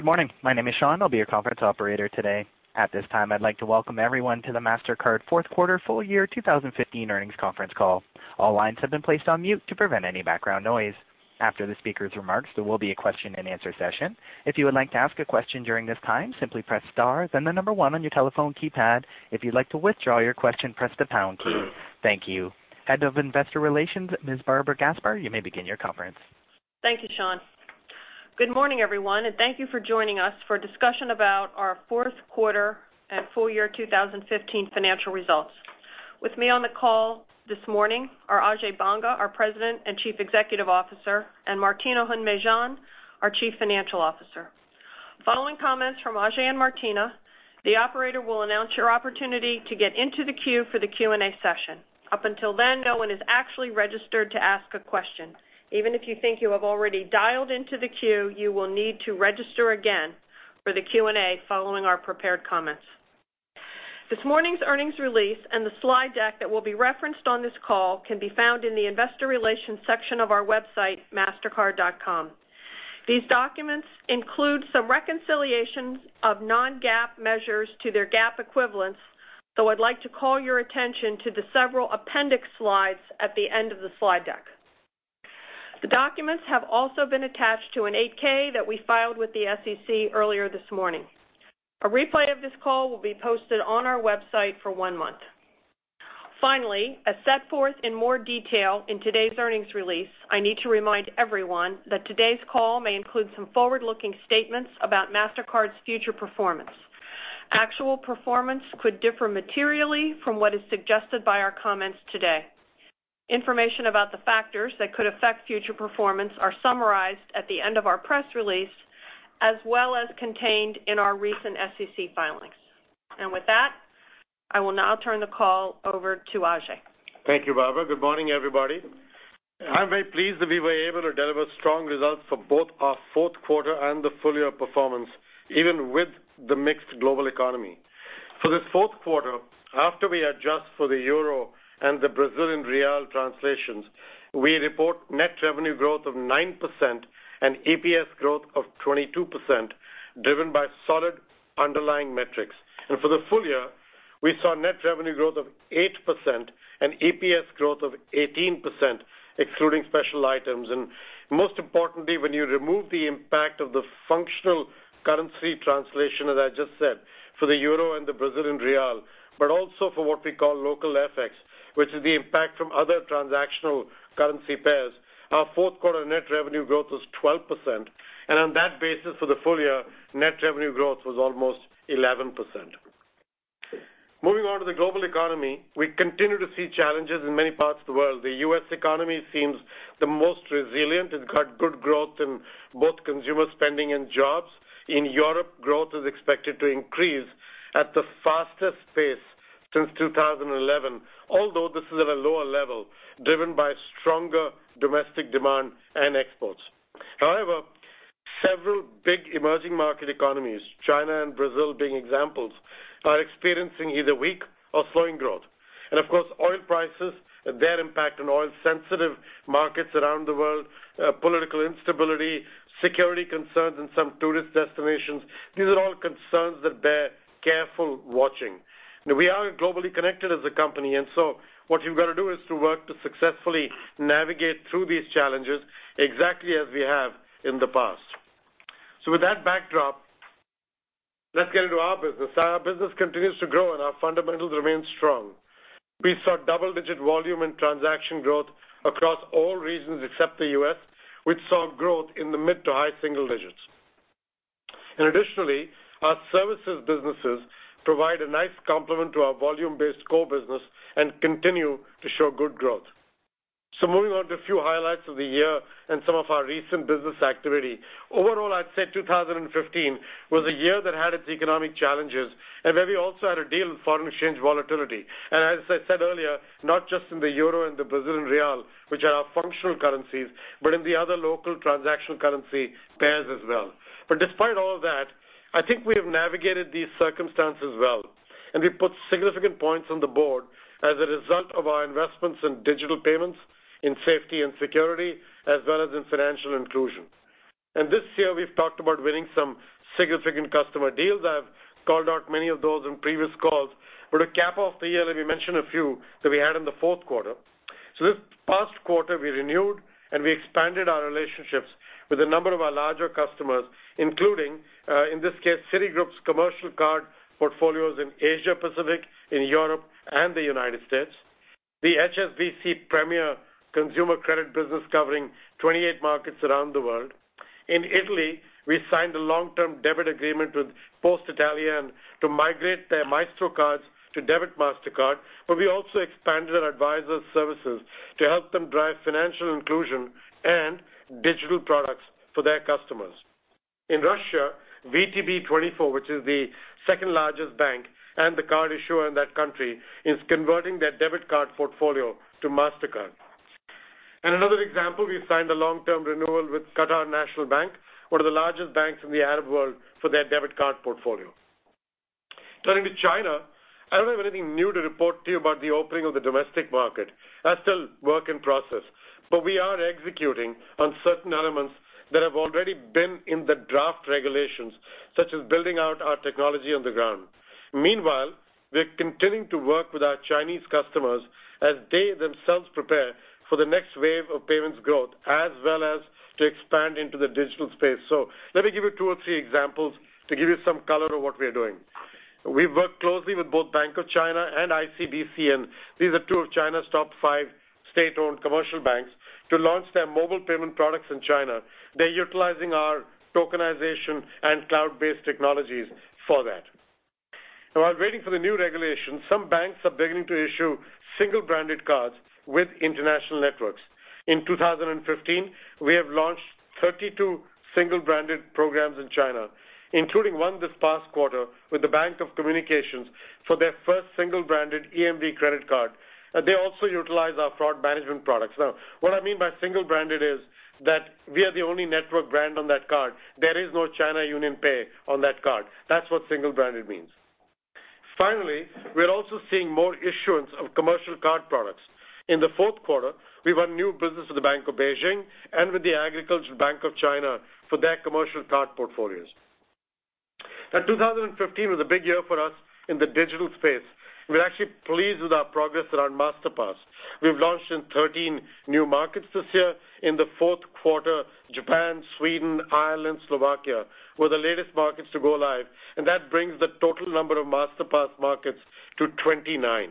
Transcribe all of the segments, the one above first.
Good morning. My name is Sean, I'll be your conference operator today. At this time, I'd like to welcome everyone to the Mastercard fourth quarter full year 2015 earnings conference call. All lines have been placed on mute to prevent any background noise. After the speaker's remarks, there will be a question and answer session. If you would like to ask a question during this time, simply press star then the number 1 on your telephone keypad. If you'd like to withdraw your question, press the pound key. Thank you. Head of Investor Relations, Ms. Barbara Gasper, you may begin your conference. Thank you, Sean. Good morning, everyone. Thank you for joining us for a discussion about our fourth quarter and full year 2015 financial results. With me on the call this morning are Ajay Banga, our President and Chief Executive Officer, and Martina Hund-Mejean, our Chief Financial Officer. Following comments from Ajay and Martina, the operator will announce your opportunity to get into the queue for the Q&A session. Up until then, no one is actually registered to ask a question. Even if you think you have already dialed into the queue, you will need to register again for the Q&A following our prepared comments. This morning's earnings release and the slide deck that will be referenced on this call can be found in the investor relations section of our website, mastercard.com. These documents include some reconciliations of non-GAAP measures to their GAAP equivalents, I'd like to call your attention to the several appendix slides at the end of the slide deck. The documents have also been attached to an 8-K that we filed with the SEC earlier this morning. A replay of this call will be posted on our website for one month. Finally, as set forth in more detail in today's earnings release, I need to remind everyone that today's call may include some forward-looking statements about Mastercard's future performance. Actual performance could differ materially from what is suggested by our comments today. Information about the factors that could affect future performance are summarized at the end of our press release, as well as contained in our recent SEC filings. With that, I will now turn the call over to Ajay. Thank you, Barbara. Good morning, everybody. I'm very pleased that we were able to deliver strong results for both our fourth quarter and the full-year performance, even with the mixed global economy. For this fourth quarter, after we adjust for the EUR and the BRL translations, we report net revenue growth of 9% and EPS growth of 22%, driven by solid underlying metrics. For the full year, we saw net revenue growth of 8% and EPS growth of 18%, excluding special items. Most importantly, when you remove the impact of the functional currency translation, as I just said, for the EUR and the BRL, but also for what we call local FX, which is the impact from other transactional currency pairs, our fourth quarter net revenue growth was 12%. On that basis for the full year, net revenue growth was almost 11%. Moving on to the global economy, we continue to see challenges in many parts of the world. The U.S. economy seems the most resilient. It got good growth in both consumer spending and jobs. In Europe, growth is expected to increase at the fastest pace since 2011, although this is at a lower level, driven by stronger domestic demand and exports. However, several big emerging market economies, China and Brazil being examples, are experiencing either weak or slowing growth. Of course, oil prices and their impact on oil-sensitive markets around the world, political instability, security concerns in some tourist destinations, these are all concerns that bear careful watching. We are globally connected as a company, what you've got to do is to work to successfully navigate through these challenges exactly as we have in the past. With that backdrop, let's get into our business. Our business continues to grow, our fundamentals remain strong. We saw double-digit volume and transaction growth across all regions except the U.S., which saw growth in the mid to high single digits. Additionally, our services businesses provide a nice complement to our volume-based core business and continue to show good growth. Moving on to a few highlights of the year and some of our recent business activity. Overall, I'd say 2015 was a year that had its economic challenges and where we also had a deal with foreign exchange volatility. As I said earlier, not just in the EUR and the BRL, which are our functional currencies, but in the other local transaction currency pairs as well. Despite all of that, I think we have navigated these circumstances well, we put significant points on the board as a result of our investments in digital payments, in safety and security, as well as in financial inclusion. This year, we've talked about winning some significant customer deals. I have called out many of those in previous calls. To cap off the year, let me mention a few that we had in the fourth quarter. This past quarter, we renewed and we expanded our relationships with a number of our larger customers, including, in this case, Citigroup's commercial card portfolios in Asia-Pacific, in Europe, and the United States. The HSBC Premier consumer credit business covering 28 markets around the world. In Italy, we signed a long-term debit agreement with Poste Italiane to migrate their Maestro cards to Debit Mastercard, we also expanded our advisor services to help them drive financial inclusion and digital products for their customers. In Russia, VTB24, which is the second-largest bank and the card issuer in that country, is converting their debit card portfolio to Mastercard. Another example, we've signed a long-term renewal with Qatar National Bank, one of the largest banks in the Arab world, for their debit card portfolio. Turning to China, I don't have anything new to report to you about the opening of the domestic market. That's still work in process. We are executing on certain elements that have already been in the draft regulations, such as building out our technology on the ground. Meanwhile, we're continuing to work with our Chinese customers as they themselves prepare for the next wave of payments growth as well as to expand into the digital space. Let me give you two or three examples to give you some color of what we are doing. We've worked closely with both Bank of China and ICBC, and these are two of China's top 5 state-owned commercial banks, to launch their mobile payment products in China. They're utilizing our tokenization and cloud-based technologies for that. While waiting for the new regulation, some banks are beginning to issue single-branded cards with international networks. In 2015, we have launched 32 single-branded programs in China, including one this past quarter with the Bank of Communications for their first single-branded EMV credit card. They also utilize our fraud management products. What I mean by single-branded is that we are the only network brand on that card. There is no China UnionPay on that card. That's what single-branded means. We're also seeing more issuance of commercial card products. In the fourth quarter, we won new business with the Bank of Beijing and with the Agricultural Bank of China for their commercial card portfolios. 2015 was a big year for us in the digital space. We're actually pleased with our progress around Masterpass. We've launched in 13 new markets this year. In the fourth quarter, Japan, Sweden, Ireland, Slovakia were the latest markets to go live, and that brings the total number of Masterpass markets to 29.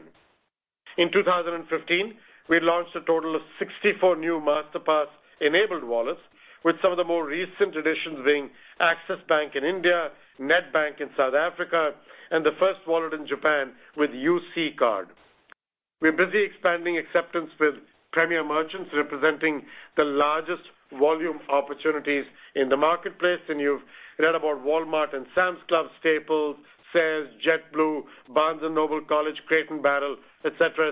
In 2015, we launched a total of 64 new Masterpass-enabled wallets, with some of the more recent additions being Axis Bank in India, Nedbank in South Africa, and the first wallet in Japan with UC Card. We're busy expanding acceptance with premier merchants representing the largest volume opportunities in the marketplace. You've read about Walmart and Sam's Club, Staples, Sears, JetBlue, Barnes & Noble College, Crate & Barrel, et cetera.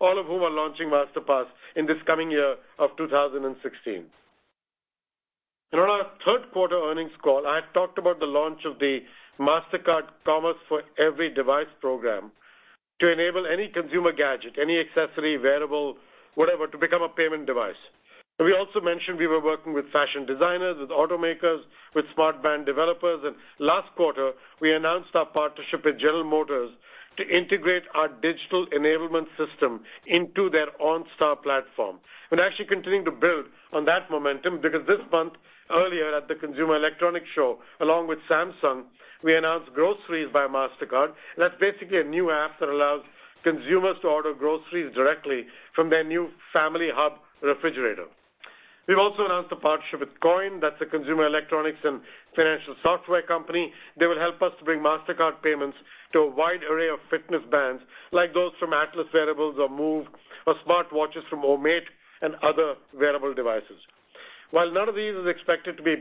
All of whom are launching Masterpass in this coming year of 2016. On our third quarter earnings call, I had talked about the launch of the Mastercard Commerce for Every Device program to enable any consumer gadget, any accessory, wearable, whatever, to become a payment device. We also mentioned we were working with fashion designers, with automakers, with smart band developers, and last quarter, we announced our partnership with General Motors to integrate our digital enablement system into their OnStar platform. We're actually continuing to build on that momentum because this month earlier at the Consumer Electronics Show, along with Samsung, we announced Groceries by Mastercard. That's basically a new app that allows consumers to order groceries directly from their new Family Hub refrigerator. We've also announced a partnership with Coin. That's a consumer electronics and financial software company. They will help us to bring Mastercard payments to a wide array of fitness bands like those from Atlas Wearables or Moov or smartwatches from Omate and other wearable devices. While none of these is expected to be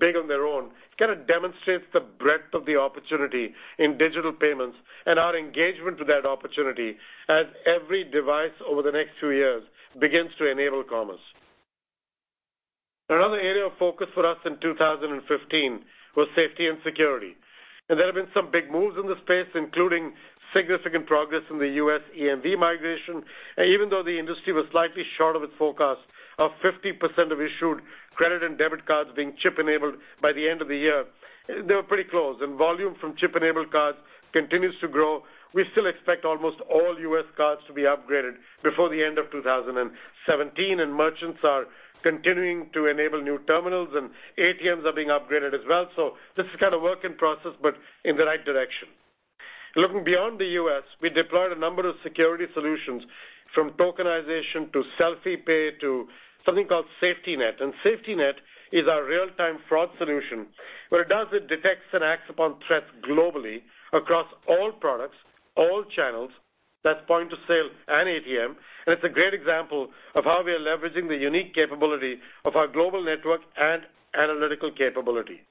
big on their own, it kind of demonstrates the breadth of the opportunity in digital payments and our engagement to that opportunity as every device over the next two years begins to enable commerce. Another area of focus for us in 2015 was safety and security. There have been some big moves in this space, including significant progress in the U.S. EMV migration. Even though the industry was slightly short of its forecast of 50% of issued credit and debit cards being chip-enabled by the end of the year, they were pretty close, and volume from chip-enabled cards continues to grow. We still expect almost all U.S. cards to be upgraded before the end of 2017, and merchants are continuing to enable new terminals, and ATMs are being upgraded as well. This is kind of work in process, but in the right direction. Looking beyond the U.S., we deployed a number of security solutions from tokenization to Selfie Pay to something called SafetyNet. SafetyNet is our real-time fraud solution. What it does, it detects and acts upon threats globally across all products, all channels. That's point-of-sale and ATM, and it's a great example of how we are leveraging the unique capability of our global network and analytical capability.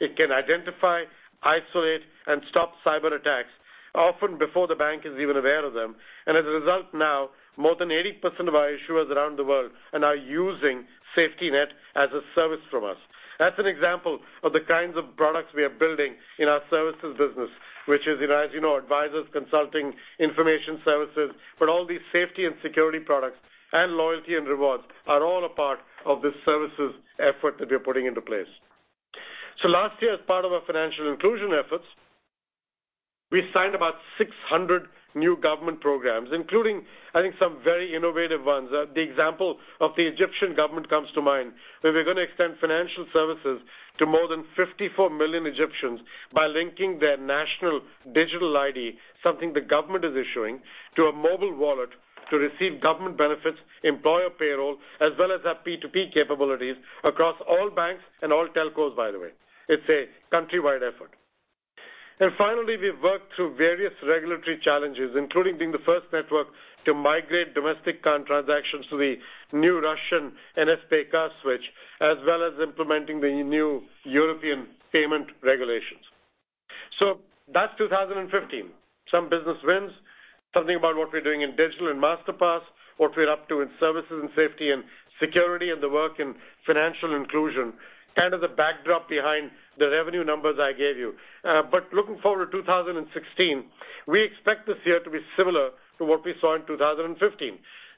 It can identify, isolate, and stop cyberattacks often before the bank is even aware of them. As a result now, more than 80% of our issuers around the world are now using SafetyNet as a service from us. That's an example of the kinds of products we are building in our services business, which is, as you know, advisors, consulting, information services. All these safety and security products and loyalty and rewards are all a part of this services effort that we're putting into place. Last year, as part of our financial inclusion efforts, we signed about 600 new government programs, including, I think, some very innovative ones. The example of the Egyptian government comes to mind, where we're going to extend financial services to more than 54 million Egyptians by linking their national digital ID, something the government is issuing, to a mobile wallet to receive government benefits, employer payroll, as well as have P2P capabilities across all banks and all telcos, by the way. It's a countrywide effort. Finally, we've worked through various regulatory challenges, including being the first network to migrate domestic card transactions to the new Russian NSPK card switch, as well as implementing the new European payment regulations. That's 2015. Some business wins Something about what we're doing in digital and Masterpass, what we're up to in services and safety and security, and the work in financial inclusion, kind of the backdrop behind the revenue numbers I gave you. Looking forward to 2016, we expect this year to be similar to what we saw in 2015.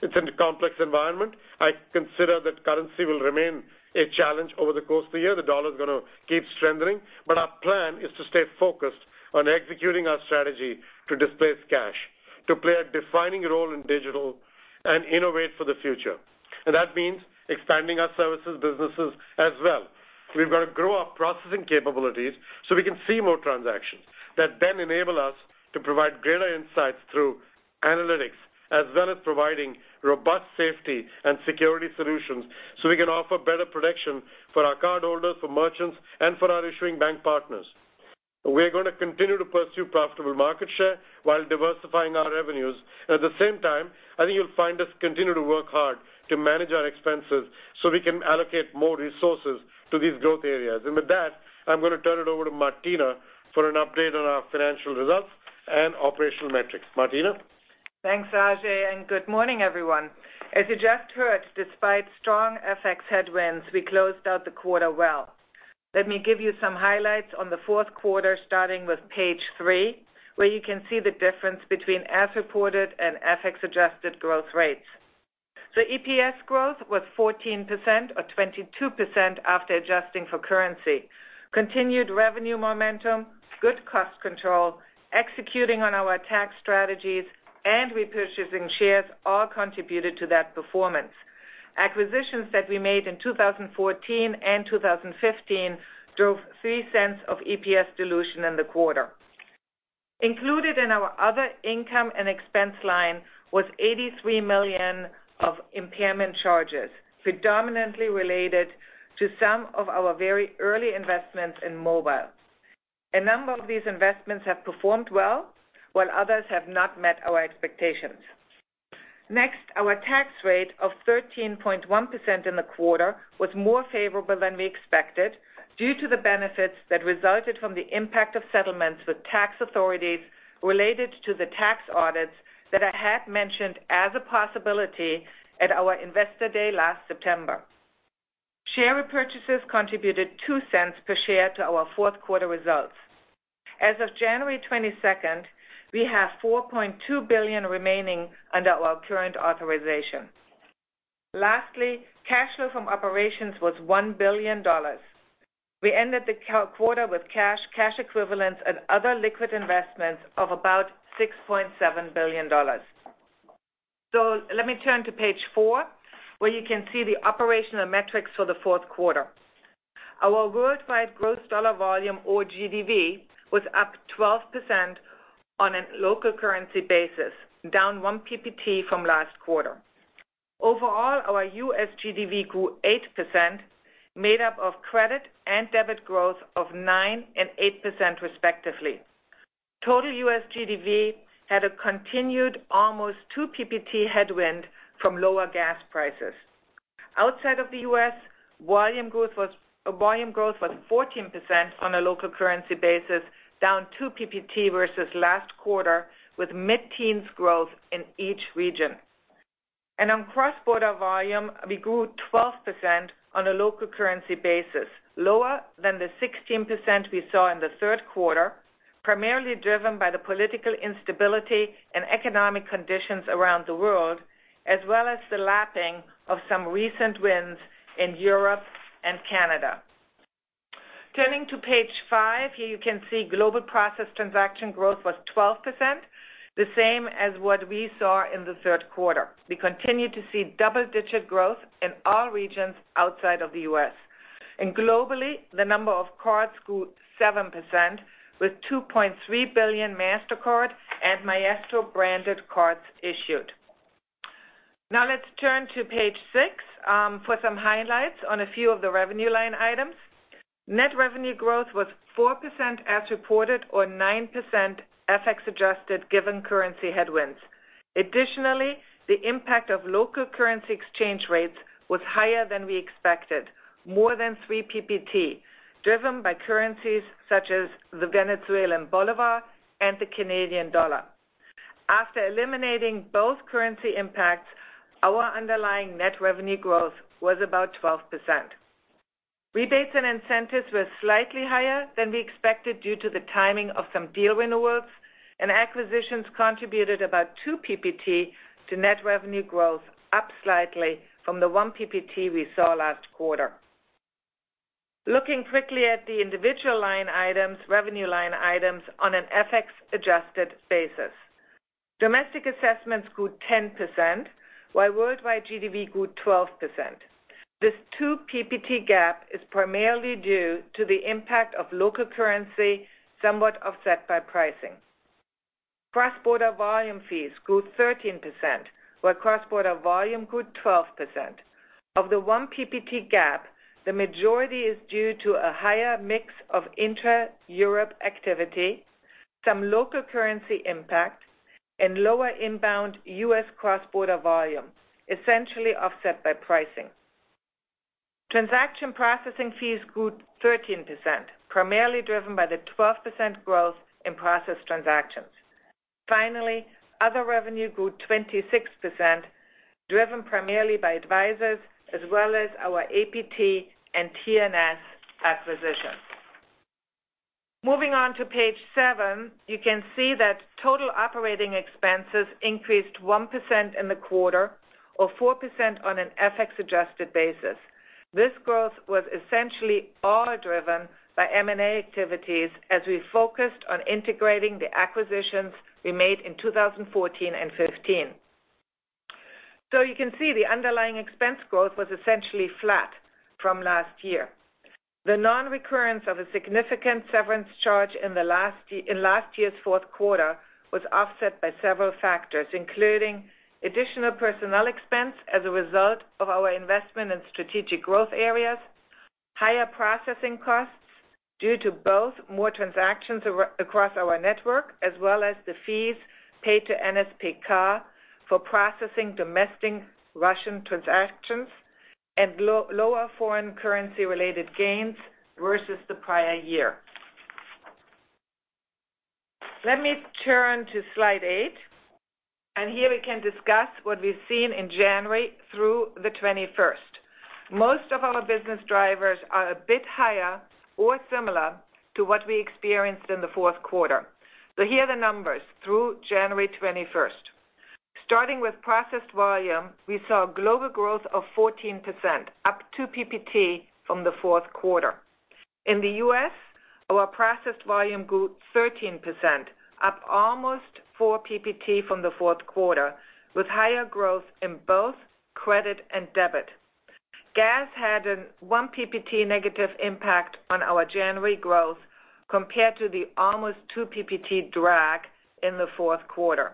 It's in a complex environment. I consider that currency will remain a challenge over the course of the year. The dollar's going to keep strengthening, but our plan is to stay focused on executing our strategy to displace cash, to play a defining role in digital and innovate for the future. That means expanding our services businesses as well. We've got to grow our processing capabilities so we can see more transactions that then enable us to provide greater insights through analytics, as well as providing robust safety and security solutions so we can offer better protection for our cardholders, for merchants, and for our issuing bank partners. We're going to continue to pursue profitable market share while diversifying our revenues. At the same time, I think you'll find us continue to work hard to manage our expenses so we can allocate more resources to these growth areas. With that, I'm going to turn it over to Martina for an update on our financial results and operational metrics. Martina? Thanks, Ajay, and good morning, everyone. As you just heard, despite strong FX headwinds, we closed out the quarter well. Let me give you some highlights on the fourth quarter, starting with page three, where you can see the difference between as reported and FX-adjusted growth rates. EPS growth was 14%, or 22% after adjusting for currency. Continued revenue momentum, good cost control, executing on our tax strategies, and repurchasing shares all contributed to that performance. Acquisitions that we made in 2014 and 2015 drove $0.03 of EPS dilution in the quarter. Included in our other income and expense line was $83 million of impairment charges, predominantly related to some of our very early investments in mobile. A number of these investments have performed well, while others have not met our expectations. Next, our tax rate of 13.1% in the quarter was more favorable than we expected due to the benefits that resulted from the impact of settlements with tax authorities related to the tax audits that I had mentioned as a possibility at our investor day last September. Share repurchases contributed $0.02 per share to our fourth quarter results. As of January 22nd, we have $4.2 billion remaining under our current authorization. Lastly, cash flow from operations was $1 billion. We ended the quarter with cash equivalents, and other liquid investments of about $6.7 billion. Let me turn to page four, where you can see the operational metrics for the fourth quarter. Our worldwide gross dollar volume, or GDV, was up 12% on a local currency basis, down one PPT from last quarter. Overall, our U.S. GDV grew 8%, made up of credit and debit growth of 9% and 8% respectively. Total U.S. GDV had a continued almost two PPT headwind from lower gas prices. Outside of the U.S., volume growth was 14% on a local currency basis, down two PPT versus last quarter, with mid-teens growth in each region. On cross-border volume, we grew 12% on a local currency basis, lower than the 16% we saw in the third quarter, primarily driven by the political instability and economic conditions around the world, as well as the lapping of some recent wins in Europe and Canada. Turning to page five, here you can see global processed transaction growth was 12%, the same as what we saw in the third quarter. We continue to see double-digit growth in all regions outside of the U.S. Globally, the number of cards grew 7%, with 2.3 billion Mastercard and Maestro branded cards issued. Let's turn to page six for some highlights on a few of the revenue line items. Net revenue growth was 4% as reported, or 9% FX adjusted, given currency headwinds. Additionally, the impact of local currency exchange rates was higher than we expected, more than three PPT, driven by currencies such as the Venezuelan bolivar and the Canadian dollar. After eliminating both currency impacts, our underlying net revenue growth was about 12%. Rebates and incentives were slightly higher than we expected due to the timing of some deal renewals, and acquisitions contributed about two PPT to net revenue growth, up slightly from the one PPT we saw last quarter. Looking quickly at the individual line items, revenue line items on an FX adjusted basis. Domestic assessments grew 10%, while worldwide GDV grew 12%. This two PPT gap is primarily due to the impact of local currency somewhat offset by pricing. Cross-border volume fees grew 13%, while cross-border volume grew 12%. Of the one PPT gap, the majority is due to a higher mix of intra-Europe activity, some local currency impacts, and lower inbound U.S. cross-border volume, essentially offset by pricing. Transaction processing fees grew 13%, primarily driven by the 12% growth in processed transactions. Finally, other revenue grew 26%, driven primarily by advisors as well as our APT and TNS acquisitions. Moving on to page seven, you can see that total operating expenses increased 1% in the quarter or 4% on an FX-adjusted basis. This growth was essentially all driven by M&A activities as we focused on integrating the acquisitions we made in 2014 and 2015. You can see the underlying expense growth was essentially flat from last year. The non-recurrence of a significant severance charge in last year's fourth quarter was offset by several factors, including additional personnel expense as a result of our investment in strategic growth areas, higher processing costs due to both more transactions across our network as well as the fees paid to NSPK for processing domestic Russian transactions, and lower foreign currency-related gains versus the prior year. Let me turn to slide eight, here we can discuss what we've seen in January through the 21st. Most of our business drivers are a bit higher or similar to what we experienced in the fourth quarter. Here are the numbers through January 21st. Starting with processed volume, we saw global growth of 14%, up two PPT from the fourth quarter. In the U.S., our processed volume grew 13%, up almost four PPT from the fourth quarter, with higher growth in both credit and debit. Gas had a one PPT negative impact on our January growth compared to the almost two PPT drag in the fourth quarter.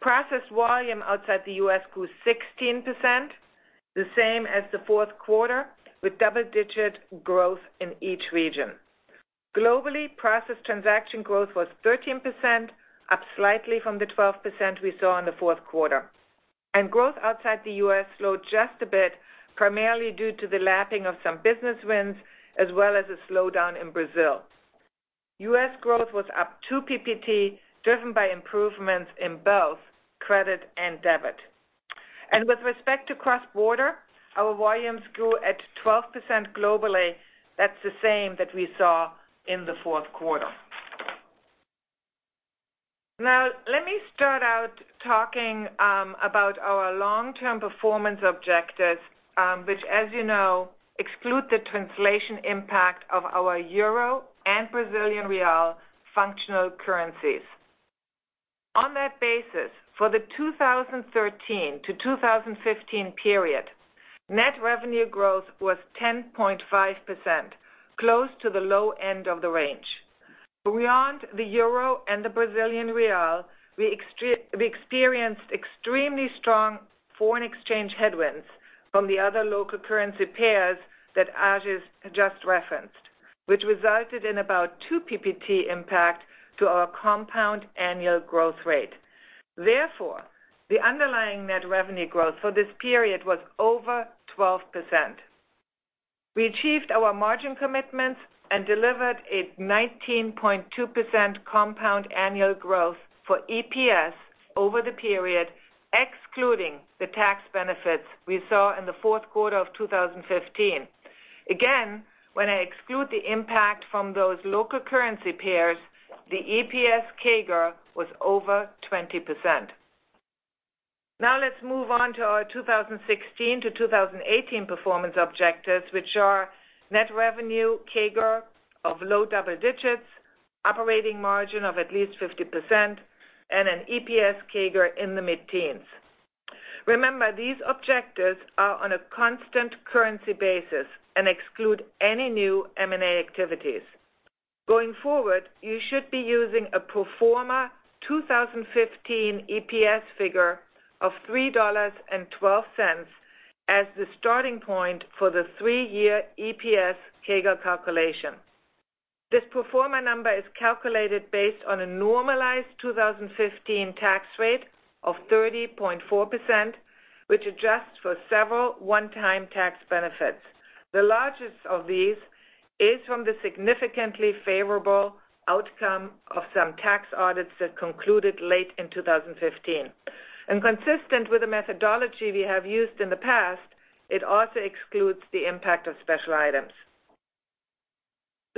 Processed volume outside the U.S. grew 16%, the same as the fourth quarter, with double-digit growth in each region. Globally, processed transaction growth was 13%, up slightly from the 12% we saw in the fourth quarter. Growth outside the U.S. slowed just a bit, primarily due to the lapping of some business wins, as well as a slowdown in Brazil. U.S. growth was up two PPT, driven by improvements in both credit and debit. With respect to cross-border, our volumes grew at 12% globally. That's the same that we saw in the fourth quarter. Let me start out talking about our long-term performance objectives, which as you know exclude the translation impact of our EUR and BRL functional currencies. On that basis, for the 2013-2015 period, net revenue growth was 10.5%, close to the low end of the range. Beyond the EUR and the BRL, we experienced extremely strong foreign exchange headwinds from the other local currency pairs that Ajay has just referenced, which resulted in about 2 PPT impact to our compound annual growth rate. Therefore, the underlying net revenue growth for this period was over 12%. We achieved our margin commitments and delivered a 19.2% compound annual growth for EPS over the period, excluding the tax benefits we saw in the fourth quarter of 2015. Again, when I exclude the impact from those local currency pairs, the EPS CAGR was over 20%. Let's move on to our 2016-2018 performance objectives, which are net revenue CAGR of low double digits, operating margin of at least 50%, and an EPS CAGR in the mid-teens. Remember, these objectives are on a constant currency basis and exclude any new M&A activities. Going forward, you should be using a pro forma 2015 EPS figure of $3.12 as the starting point for the three-year EPS CAGR calculation. This pro forma number is calculated based on a normalized 2015 tax rate of 30.4%, which adjusts for several one-time tax benefits. The largest of these is from the significantly favorable outcome of some tax audits that concluded late in 2015. Consistent with the methodology we have used in the past, it also excludes the impact of special items.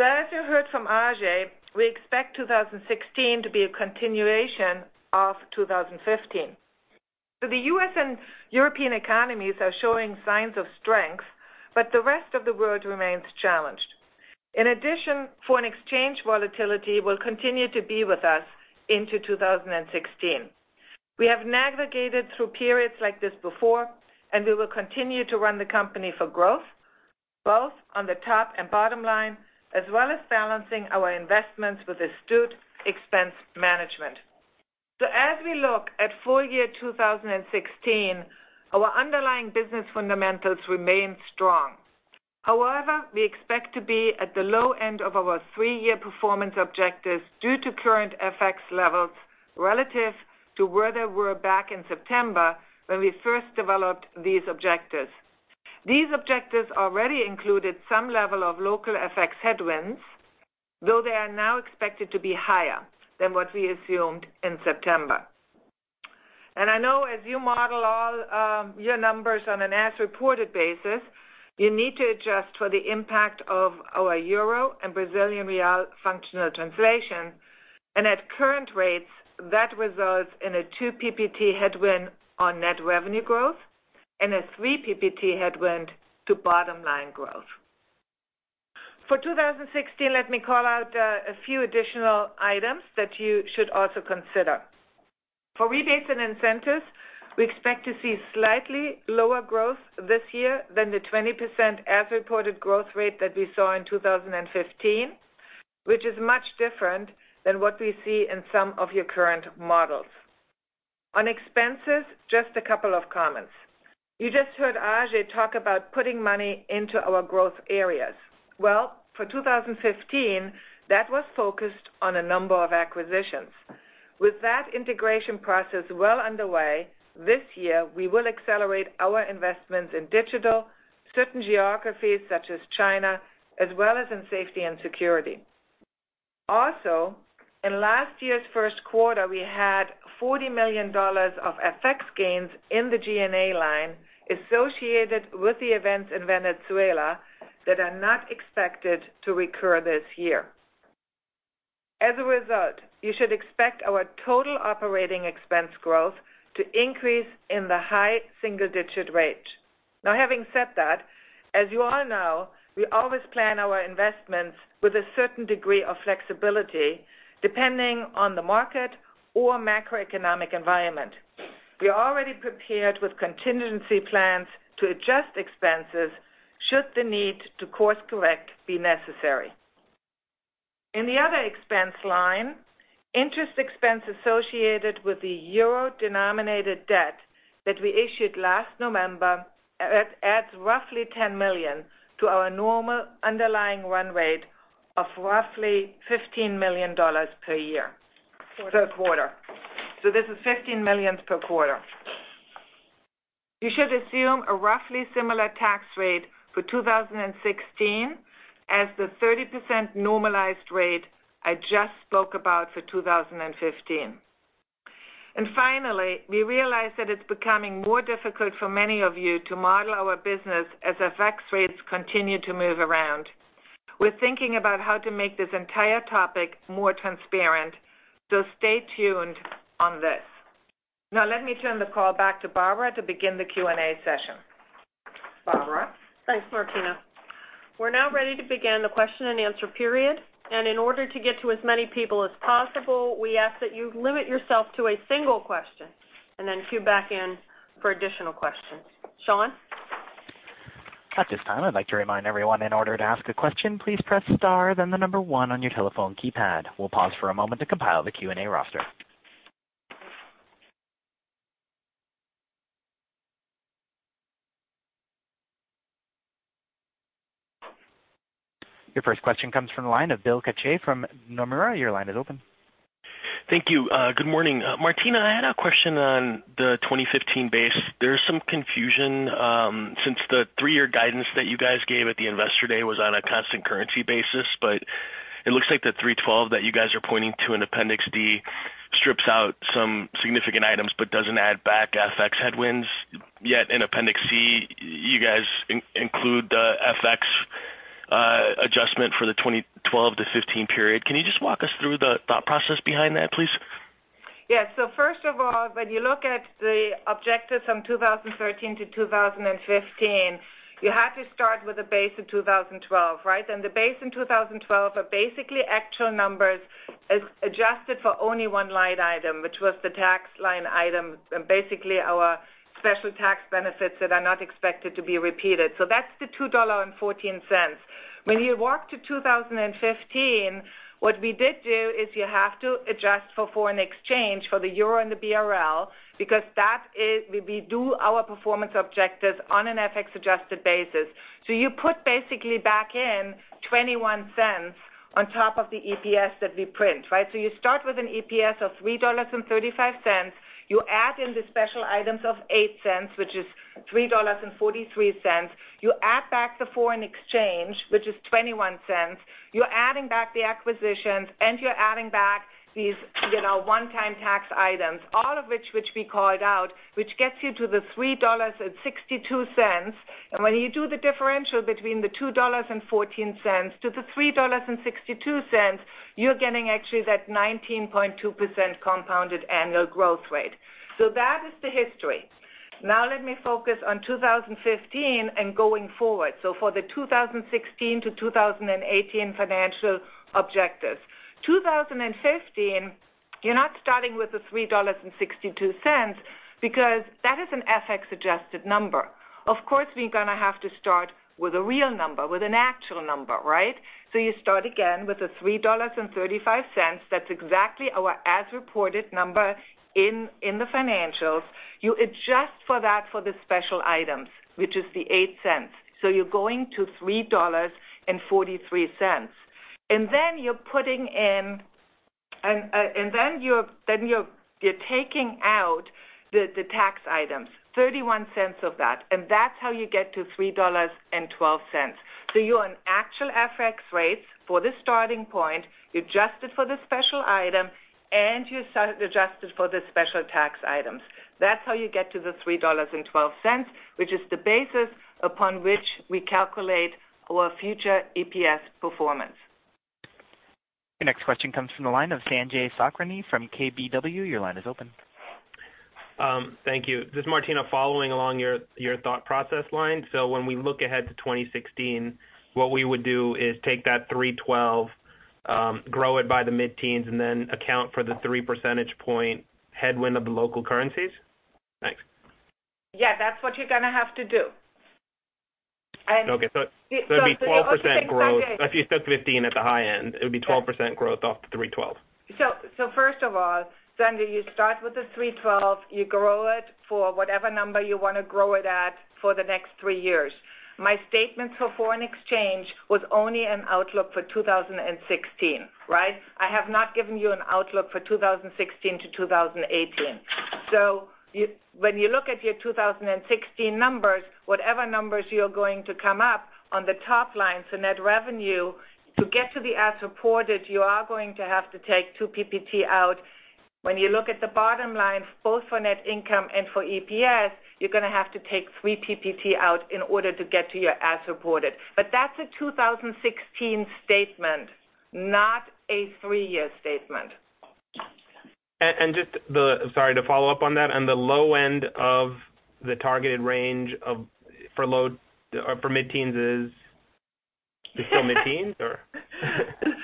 As you heard from Ajay, we expect 2016 to be a continuation of 2015. The U.S. and European economies are showing signs of strength, but the rest of the world remains challenged. In addition, foreign exchange volatility will continue to be with us into 2016. We have navigated through periods like this before, and we will continue to run the company for growth, both on the top and bottom line, as well as balancing our investments with astute expense management. As we look at full year 2016, our underlying business fundamentals remain strong. However, we expect to be at the low end of our three-year performance objectives due to current FX levels relative to where they were back in September when we first developed these objectives. These objectives already included some level of local FX headwinds, though they are now expected to be higher than what we assumed in September. I know as you model all your numbers on an as-reported basis, you need to adjust for the impact of our EUR and BRL functional translation. At current rates, that results in a 2 PPT headwind on net revenue growth and a 3 PPT headwind to bottom-line growth. For 2016, let me call out a few additional items that you should also consider. For rebates and incentives, we expect to see slightly lower growth this year than the 20% as-reported growth rate that we saw in 2015, which is much different than what we see in some of your current models. On expenses, just a couple of comments. You just heard Ajay talk about putting money into our growth areas. Well, for 2015, that was focused on a number of acquisitions. With that integration process well underway, this year we will accelerate our investments in digital, certain geographies such as China, as well as in safety and security. Also, in last year's first quarter, we had $40 million of FX gains in the G&A line associated with the events in Venezuela that are not expected to recur this year. As a result, you should expect our total operating expense growth to increase in the high single-digit rate. Having said that, as you all know, we always plan our investments with a certain degree of flexibility, depending on the market or macroeconomic environment. We are already prepared with contingency plans to adjust expenses should the need to course-correct be necessary. In the other expense line, interest expense associated with the euro-denominated debt that we issued last November adds roughly $10 million to our normal underlying run rate of roughly $15 million per quarter. This is $15 million per quarter. You should assume a roughly similar tax rate for 2016 as the 30% normalized rate I just spoke about for 2015. Finally, we realize that it's becoming more difficult for many of you to model our business as FX rates continue to move around. We're thinking about how to make this entire topic more transparent. Stay tuned on this. Let me turn the call back to Barbara to begin the Q&A session. Barbara? Thanks, Martina. We're now ready to begin the question-and-answer period. In order to get to as many people as possible, we ask that you limit yourself to a single question and then queue back in for additional questions. Sean? At this time, I'd like to remind everyone in order to ask a question, please press star then the number 1 on your telephone keypad. We'll pause for a moment to compile the Q&A roster. Your first question comes from the line of Bill Carcache from Nomura. Your line is open. Thank you. Good morning. Martina, I had a question on the 2015 base. There's some confusion since the three-year guidance that you guys gave at the Investor Day was on a constant currency basis, but it looks like the $3.12 that you guys are pointing to in Appendix D strips out some significant items but doesn't add back FX headwinds. Yet in Appendix C, you guys include the FX adjustment for the 2012 to 2015 period. Can you just walk us through the thought process behind that, please? Yeah. First of all, when you look at the objectives from 2013 to 2015, you had to start with a base of 2012, right? The base in 2012 are basically actual numbers adjusted for only one line item, which was the tax line item, and basically our special tax benefits that are not expected to be repeated. That's the $2.14. When you walk to 2015, what we did do is you have to adjust for foreign exchange for the EUR and the BRL because that is, we do our performance objectives on an FX-adjusted basis. You put basically back in $0.21 on top of the EPS that we print, right? You start with an EPS of $3.35. You add in the special items of $0.08, which is $3.43. You add back the foreign exchange, which is $0.21. You're adding back the acquisitions, and you're adding back these one-time tax items, all of which we called out, which gets you to the $3.62. When you do the differential between the $2.14 to the $3.62, you're getting actually that 19.2% compounded annual growth rate. That is the history. Now let me focus on 2015 and going forward. For the 2016 to 2018 financial objectives. 2015, you're not starting with the $3.62 because that is an FX-adjusted number. Of course, we're going to have to start with a real number, with an actual number, right? You start again with the $3.35. That's exactly our as-reported number in the financials. You adjust for that for the special items, which is the $0.08. You're going to $3.43. Then you're taking out the tax items, $0.31 of that. That's how you get to $3.12. You're on actual FX rates for the starting point, you adjust it for the special item, you adjust it for the special tax items. That's how you get to the $3.12, which is the basis upon which we calculate our future EPS performance. Your next question comes from the line of Sanjay Sakhrani from KBW. Your line is open. Thank you. Just, Martina, following along your thought process line. When we look ahead to 2016, what we would do is take that $3.12, grow it by the mid-teens, and then account for the three percentage point headwind of the local currencies? Thanks. Yeah, that's what you're going to have to do. Okay. It'd be 12% growth. You also think Sanjay. If you said 15 at the high end, it would be 12% growth off the 3.12. First of all, Sanjay, you start with the 3.12. You grow it for whatever number you want to grow it at for the next three years. My statement for foreign exchange was only an outlook for 2016, right? I have not given you an outlook for 2016 to 2018. When you look at your 2016 numbers, whatever numbers you're going to come up on the top line for net revenue, to get to the as reported, you are going to have to take two PPT out. When you look at the bottom line, both for net income and for EPS, you're going to have to take three PPT out in order to get to your as reported. That's a 2016 statement, not a three-year statement. Just Sorry to follow up on that, the low end of the targeted range for mid-teens is still mid-teens, or?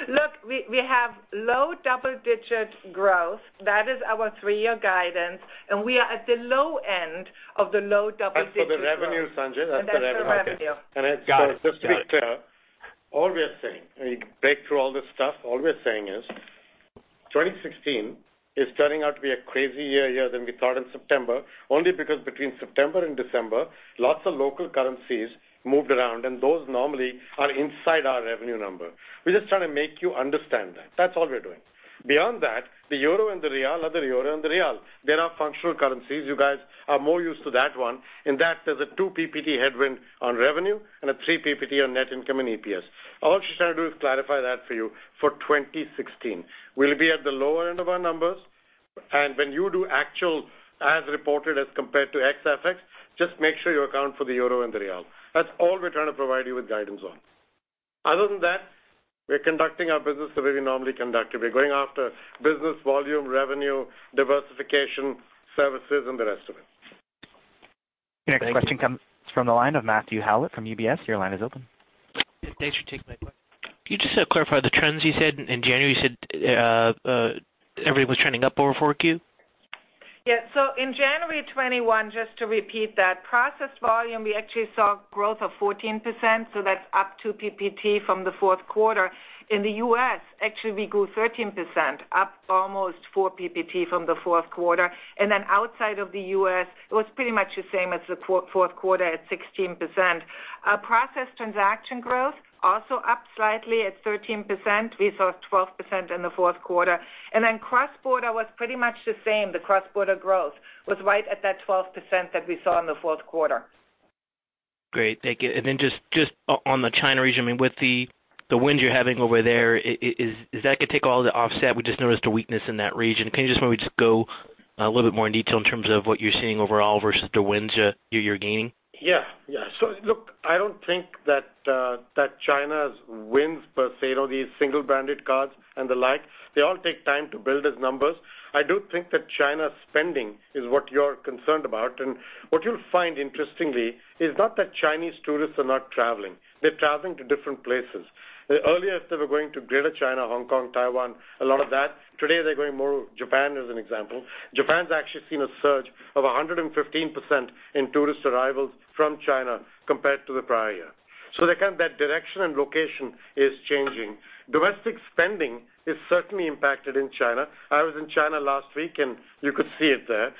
Look, we have low double-digit growth. That is our three-year guidance, and we are at the low end of the low double-digit growth. That's for the revenue, Sanjay. That's the revenue. That's the revenue. Got it. Just to be clear, all we're saying, when you break through all this stuff, all we're saying is 2016 is turning out to be a crazier year than we thought in September, only because between September and December, lots of local currencies moved around, and those normally are inside our revenue number. We're just trying to make you understand that. That's all we're doing. Beyond that, the Euro and the Real are the Euro and the Real. They're our functional currencies. You guys are more used to that one. In that, there's a 2 PPT headwind on revenue and a 3 PPT on net income and EPS. All she's trying to do is clarify that for you for 2016. We'll be at the lower end of our numbers, and when you do actual as reported as compared to XFX, just make sure you account for the Euro and the Real. That's all we're trying to provide you with guidance on. Other than that, we're conducting our business the way we normally conduct it. We're going after business volume, revenue, diversification, services, and the rest of it. Thank you. Next question comes from the line of Matthew Hallett from UBS. Your line is open. Yeah, thanks. You can take my question. Can you just clarify the trends you said in January, you said everything was trending up over 4Q? Yeah. In January 21, just to repeat that, processed volume, we actually saw growth of 14%, so that's up two PPT from the fourth quarter. In the U.S., actually, we grew 13%, up almost four PPT from the fourth quarter. Outside of the U.S., it was pretty much the same as the fourth quarter at 16%. Processed transaction growth also up slightly at 13%. We saw 12% in the fourth quarter. Cross-border was pretty much the same. The cross-border growth was right at that 12% that we saw in the fourth quarter. Great. Thank you. Just on the China region, with the wins you're having over there, is that going to take all the offset? We just noticed a weakness in that region. Can you just maybe just go a little bit more in detail in terms of what you're seeing overall versus the wins you're gaining? Yeah. Look, I don't think that China's wins per se, these single-branded cards and the like, they all take time to build as numbers. I do think that China's spending is what you're concerned about. What you'll find interestingly is not that Chinese tourists are not traveling. They're traveling to different places. Earlier, they were going to Greater China, Hong Kong, Taiwan, a lot of that. Today, they're going more to Japan as an example. Japan's actually seen a surge of 115% in tourist arrivals from China compared to the prior year. That direction and location is changing. Domestic spending is certainly impacted in China. I was in China last week, and you could see it there.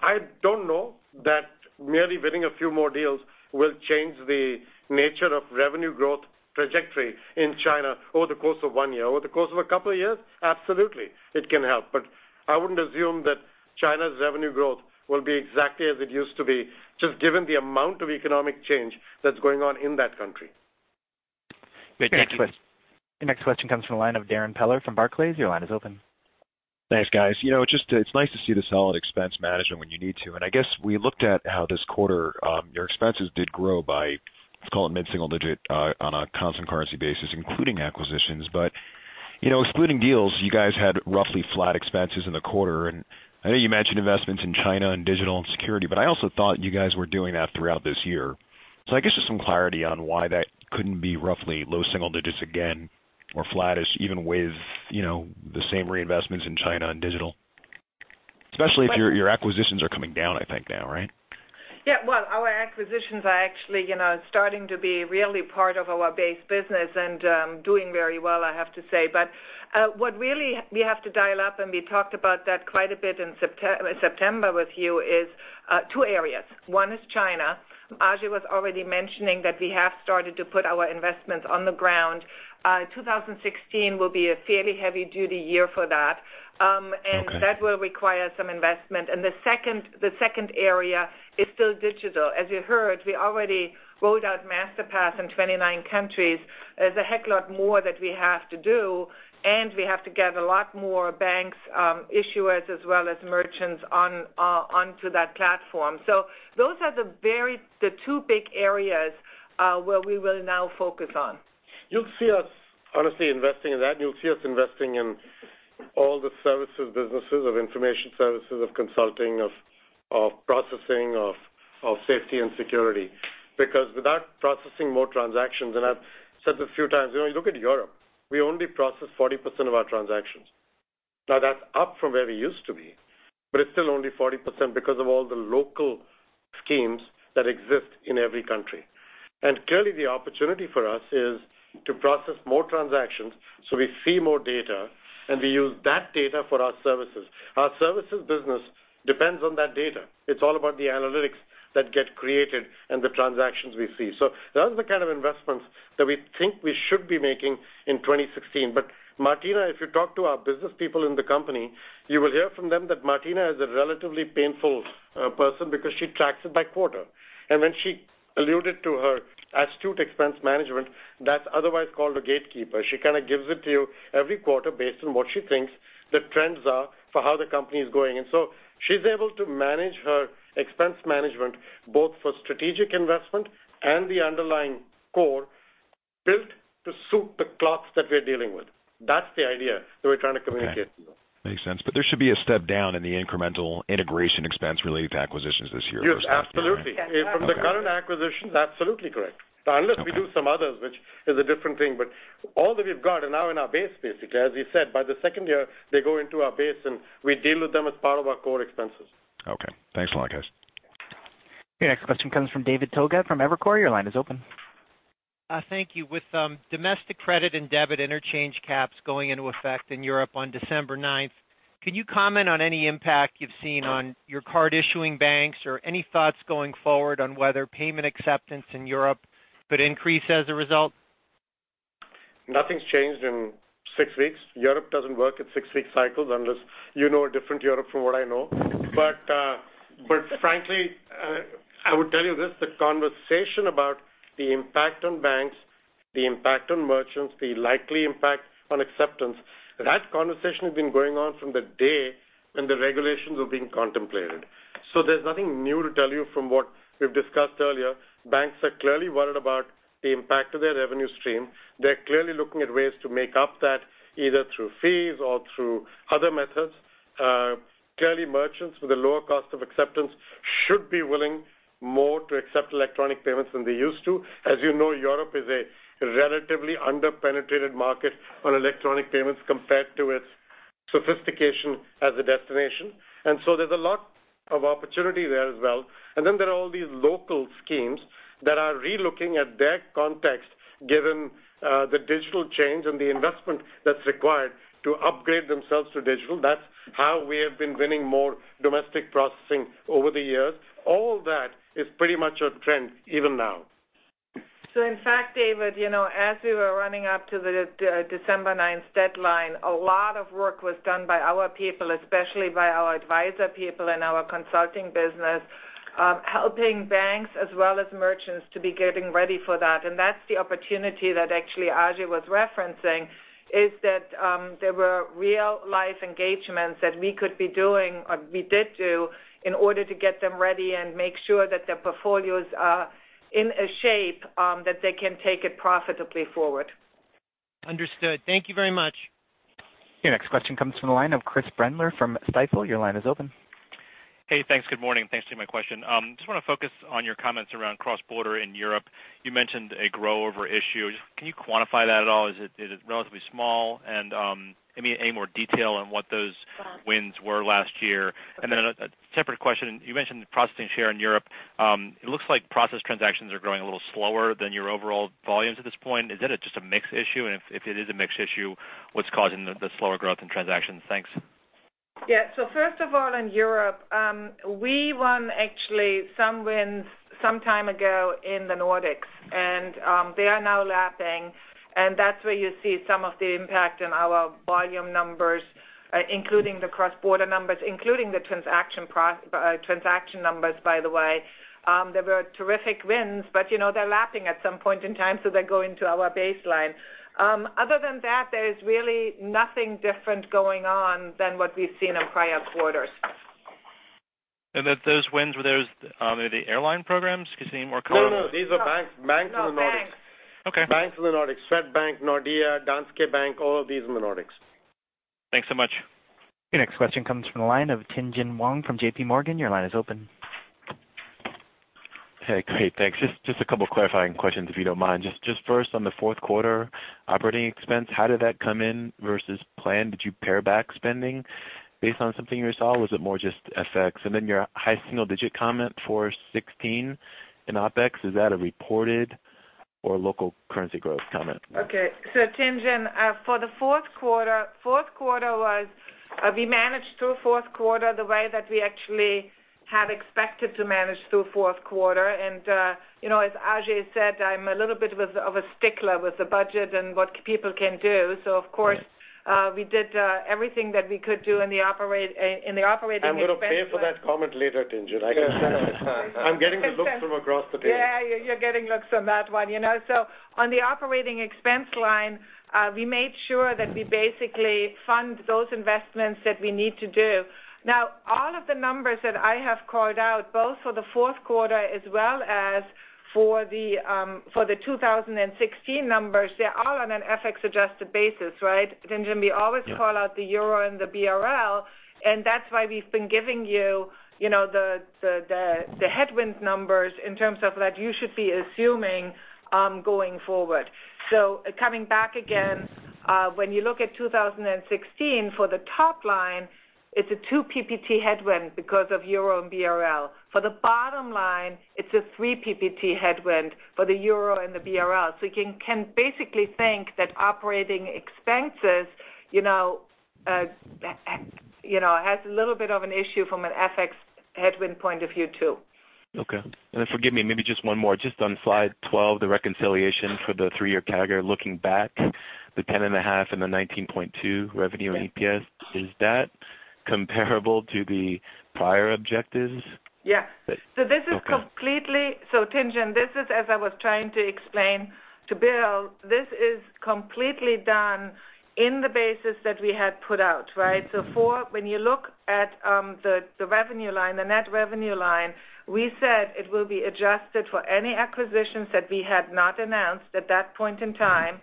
I don't know that merely winning a few more deals will change the nature of revenue growth trajectory in China over the course of one year. Over the course of a couple of years, absolutely, it can help, but I wouldn't assume that China's revenue growth will be exactly as it used to be, just given the amount of economic change that's going on in that country. Great. Thank you. Next question comes from the line of Darrin Peller from Barclays. Your line is open. Thanks, guys. It's nice to see the solid expense management when you need to. I guess we looked at how this quarter your expenses did grow by, let's call it mid-single digit on a constant currency basis, including acquisitions. Excluding deals, you guys had roughly flat expenses in the quarter. I know you mentioned investments in China and digital and security, but I also thought you guys were doing that throughout this year. I guess just some clarity on why that couldn't be roughly low single digits again or flattish even with the same reinvestments in China and digital, especially if your acquisitions are coming down, I think now, right? Yeah. Well, our acquisitions are actually starting to be really part of our base business and doing very well, I have to say. What really we have to dial up, and we talked about that quite a bit in September with you, is two areas. One is China. Ajay was already mentioning that we have started to put our investments on the ground. 2016 will be a fairly heavy-duty year for that. Okay. That will require some investment. The second area is still digital. As you heard, we already rolled out Masterpass in 29 countries. There's a heck lot more that we have to do, and we have to get a lot more banks, issuers, as well as merchants onto that platform. Those are the two big areas where we will now focus on. You'll see us honestly investing in that, and you'll see us investing in all the services businesses of information services, of consulting, of processing, of safety and security. Without processing more transactions, and I've said this a few times, look at Europe. We only process 40% of our transactions. Now, that's up from where we used to be, but it's still only 40% because of all the local schemes that exist in every country. Clearly the opportunity for us is to process more transactions so we see more data and we use that data for our services. Our services business depends on that data. It's all about the analytics that get created and the transactions we see. Those are the kind of investments that we think we should be making in 2016. Martina, if you talk to our business people in the company, you will hear from them that Martina is a relatively painful person because she tracks it by quarter. When she alluded to her astute expense management, that's otherwise called a gatekeeper. She kind of gives it to you every quarter based on what she thinks the trends are for how the company is going. She's able to manage her expense management both for strategic investment and the underlying core built to suit the clocks that we're dealing with. That's the idea that we're trying to communicate to you. Makes sense. There should be a step down in the incremental integration expense related to acquisitions this year. Yes, absolutely versus last year, right? Yes. From the current acquisitions, absolutely correct. Okay. Unless we do some others, which is a different thing. All that we've got are now in our base, basically. As you said, by the second year, they go into our base, and we deal with them as part of our core expenses. Okay. Thanks a lot, guys. Your next question comes from David Togut from Evercore. Your line is open. Thank you. With domestic credit and debit interchange caps going into effect in Europe on December ninth, can you comment on any impact you've seen on your card issuing banks or any thoughts going forward on whether payment acceptance in Europe could increase as a result? Nothing's changed in six weeks. Europe doesn't work in six-week cycles unless you know a different Europe from what I know. Frankly, I would tell you this, the conversation about the impact on banks, the impact on merchants, the likely impact on acceptance, that conversation has been going on from the day when the regulations were being contemplated. There's nothing new to tell you from what we've discussed earlier. Banks are clearly worried about the impact to their revenue stream. They're clearly looking at ways to make up that either through fees or through other methods. Clearly, merchants with a lower cost of acceptance should be willing more to accept electronic payments than they used to. As you know, Europe is a relatively under-penetrated market on electronic payments compared to its sophistication as a destination. There's a lot of opportunity there as well. There are all these local schemes that are re-looking at their context, given the digital change and the investment that's required to upgrade themselves to digital. That's how we have been winning more domestic processing over the years. All that is pretty much a trend even now. In fact, David, as we were running up to the December ninth deadline, a lot of work was done by our people, especially by our advisor people and our consulting business, helping banks as well as merchants to be getting ready for that. That's the opportunity that actually Ajay was referencing, is that there were real-life engagements that we could be doing or we did do in order to get them ready and make sure that their portfolios are in a shape that they can take it profitably forward. Understood. Thank you very much. Your next question comes from the line of Chris Brendler from Stifel. Your line is open. Hey, thanks. Good morning, and thanks for taking my question. Just want to focus on your comments around cross-border in Europe. You mentioned a grow-over issue. Can you quantify that at all? Is it relatively small? Any more detail on what those wins were last year? Okay. A separate question. You mentioned processing share in Europe. It looks like processed transactions are growing a little slower than your overall volumes at this point. Is that just a mix issue? If it is a mix issue, what's causing the slower growth in transactions? Thanks. Yeah. First of all, in Europe, we won actually some wins some time ago in the Nordics, and they are now lapping, and that's where you see some of the impact in our volume numbers, including the cross-border numbers, including the transaction numbers, by the way. They were terrific wins, but they're lapping at some point in time, so they go into our baseline. Other than that, there's really nothing different going on than what we've seen in prior quarters. Those wins, were those the airline programs? No, no. These are banks. No. Banks. Banks in the Nordics. Okay. Banks in the Nordics. Swedbank, Nordea, Danske Bank, all of these in the Nordics. Thanks so much. Your next question comes from the line of Tien-tsin Huang from JPMorgan. Your line is open. Hey, great. Thanks. First on the fourth quarter operating expense, how did that come in versus plan? Did you pare back spending based on something you saw? Was it more just FX? Then your high single-digit comment for 2016 in OpEx, is that a reported or local currency growth comment? Okay. Tien-tsin, for the fourth quarter, we managed through fourth quarter the way that we actually had expected to manage through fourth quarter. As Ajay said, I'm a little bit of a stickler with the budget and what people can do. Of course- Right we did everything that we could do in the operating expense- I'm going to pay for that comment later, Tien-tsin. I can sense it. I'm getting the looks from across the table. Yeah, you're getting looks on that one. On the operating expense line, we made sure that we basically fund those investments that we need to do. All of the numbers that I have called out, both for the fourth quarter as well as for the 2016 numbers, they're all on an FX adjusted basis, right? Tien-tsin, we always call- Yeah Out the euro and the BRL, that's why we've been giving you the headwind numbers in terms of what you should be assuming going forward. Coming back again, when you look at 2016, for the top line, it's a two PPT headwind because of euro and BRL. For the bottom line, it's a three PPT headwind for the euro and the BRL. You can basically think that operating expenses has a little bit of an issue from an FX headwind point of view, too. Okay. Then forgive me, maybe just one more. Just on slide 12, the reconciliation for the three-year CAGR, looking back, the 10.5 and the 19.2 revenue and EPS, Yeah Is that comparable to the prior objectives? Yeah. Okay. Tien-tsin, this is as I was trying to explain to Bill, this is completely done in the basis that we had put out, right? Four, when you look at the revenue line, the net revenue line, we said it will be adjusted for any acquisitions that we had not announced at that point in time,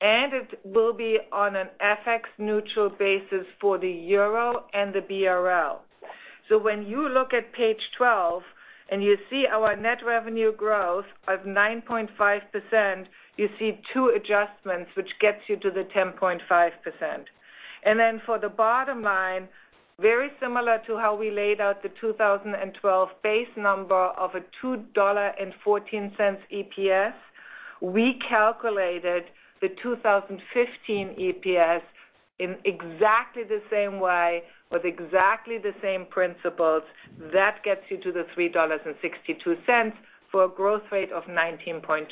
and it will be on an FX neutral basis for the euro and the BRL. When you look at page 12 and you see our net revenue growth of 9.5%, you see two adjustments, which gets you to the 10.5%. Then for the bottom line, very similar to how we laid out the 2012 base number of a $2.14 EPS, we calculated the 2015 EPS in exactly the same way with exactly the same principles. That gets you to the $3.62 for a growth rate of 19.2%.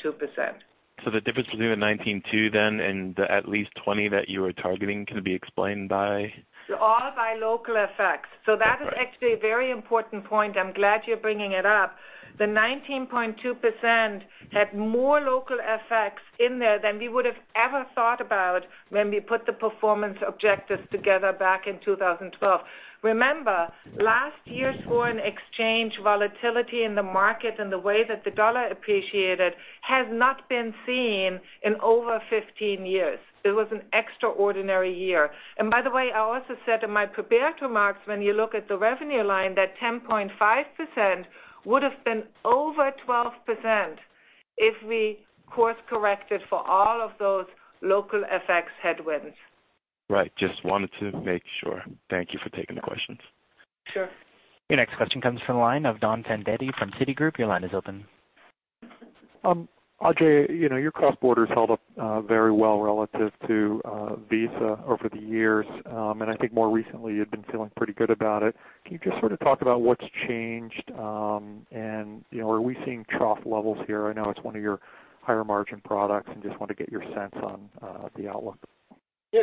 The difference between the 19.2 then and the at least 20 that you were targeting can be explained by? All by local effects. Okay. That is actually a very important point. I'm glad you're bringing it up. The 19.2% had more local effects in there than we would've ever thought about when we put the performance objectives together back in 2012. Remember, last year's foreign exchange volatility in the market and the way that the dollar appreciated has not been seen in over 15 years. It was an extraordinary year. By the way, I also said in my prepared remarks, when you look at the revenue line, that 10.5% would've been over 12% if we course corrected for all of those local FX headwinds. Right. Just wanted to make sure. Thank you for taking the questions. Sure. Your next question comes from the line of Donald Fandetti from Citigroup. Your line is open. Ajay, your cross-border has held up very well relative to Visa over the years. I think more recently, you've been feeling pretty good about it. Can you just sort of talk about what's changed, and are we seeing trough levels here? I know it's one of your higher margin products, and just want to get your sense on the outlook.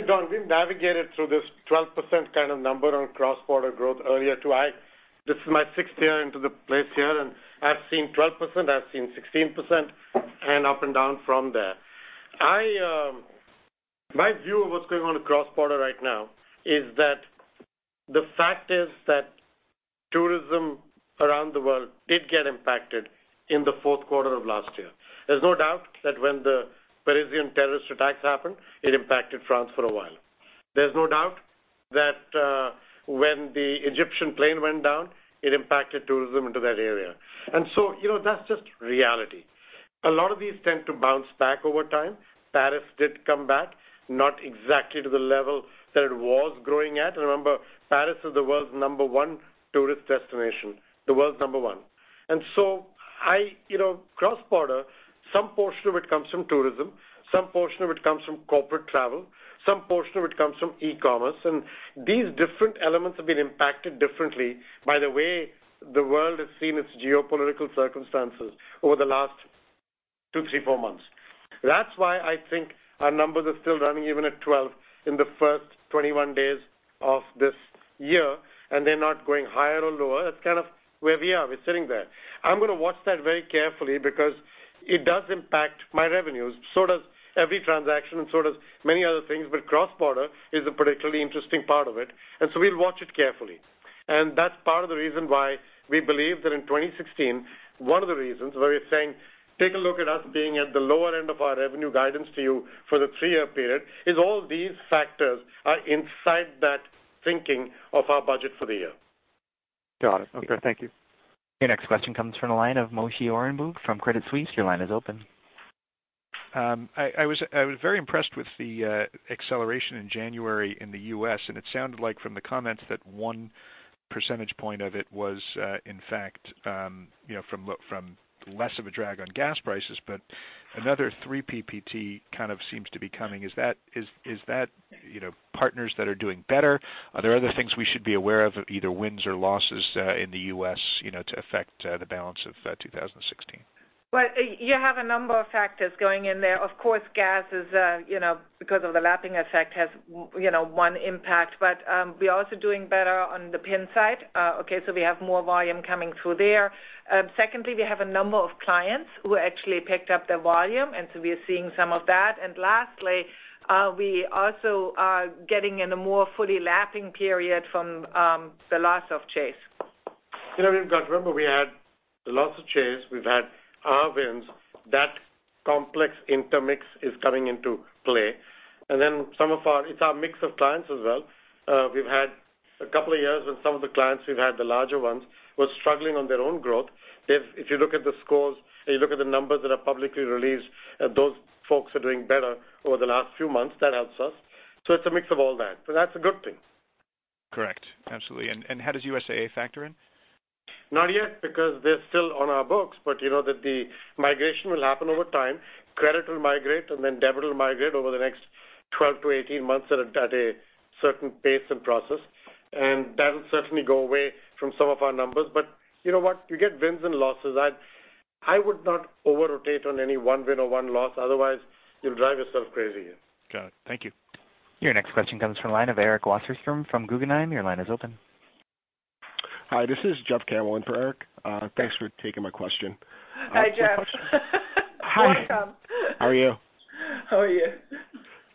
Don, we've navigated through this 12% kind of number on cross-border growth earlier too. This is my sixth year into the place here, I've seen 12%, I've seen 16%, and up and down from there. My view of what's going on with cross-border right now is that the fact is that tourism around the world did get impacted in the fourth quarter of last year. There's no doubt that when the Parisian terrorist attacks happened, it impacted France for a while. There's no doubt that when the Egyptian plane went down, it impacted tourism into that area. That's just reality. A lot of these tend to bounce back over time. Paris did come back, not exactly to the level that it was growing at. Remember, Paris is the world's number one tourist destination, the world's number one. Cross-border, some portion of it comes from tourism, some portion of it comes from corporate travel, some portion of it comes from e-commerce, and these different elements have been impacted differently by the way the world has seen its geopolitical circumstances over the last two, three, four months. That's why I think our numbers are still running even at 12 in the first 21 days of this year, and they're not going higher or lower. That's kind of where we are. We're sitting there. I'm going to watch that very carefully because it does impact my revenues. So does every transaction and so does many other things, but cross-border is a particularly interesting part of it, and so we'll watch it carefully. That's part of the reason why we believe that in 2016, one of the reasons why we're saying take a look at us being at the lower end of our revenue guidance to you for the three-year period is all these factors are inside that. Thinking of our budget for the year. Got it. Okay, thank you. Your next question comes from the line of Moshe Orenbuch from Credit Suisse. Your line is open. I was very impressed with the acceleration in January in the U.S. It sounded like from the comments that one percentage point of it was, in fact from less of a drag on gas prices. Another three PPT kind of seems to be coming. Is that partners that are doing better? Are there other things we should be aware of, either wins or losses in the U.S. to affect the balance of 2016? Well, you have a number of factors going in there. Of course, gas is because of the lapping effect has one impact. We are also doing better on the PIN side. We have more volume coming through there. Secondly, we have a number of clients who actually picked up their volume, we are seeing some of that. Lastly, we also are getting in a more fully lapping period from the loss of Chase. Remember, we had the loss of Chase, we've had our wins. That complex intermix is coming into play. It's our mix of clients as well. We've had a couple of years with some of the clients we've had, the larger ones, who are struggling on their own growth. If you look at the scores and you look at the numbers that are publicly released, those folks are doing better over the last few months. That helps us. It's a mix of all that. That's a good thing. Correct. Absolutely. How does USAA factor in? Not yet because they're still on our books, you know that the migration will happen over time. Credit will migrate, debit will migrate over the next 12 to 18 months at a certain pace and process, that'll certainly go away from some of our numbers. You know what? You get wins and losses. I would not over-rotate on any one win or one loss, otherwise you'll drive yourself crazy. Got it. Thank you. Your next question comes from the line of Eric Wasserstrom from Guggenheim. Your line is open. Hi, this is Jeff Cantwell for Eric. Thanks for taking my question. Hi, Jeff. Hi. Welcome. How are you? How are you?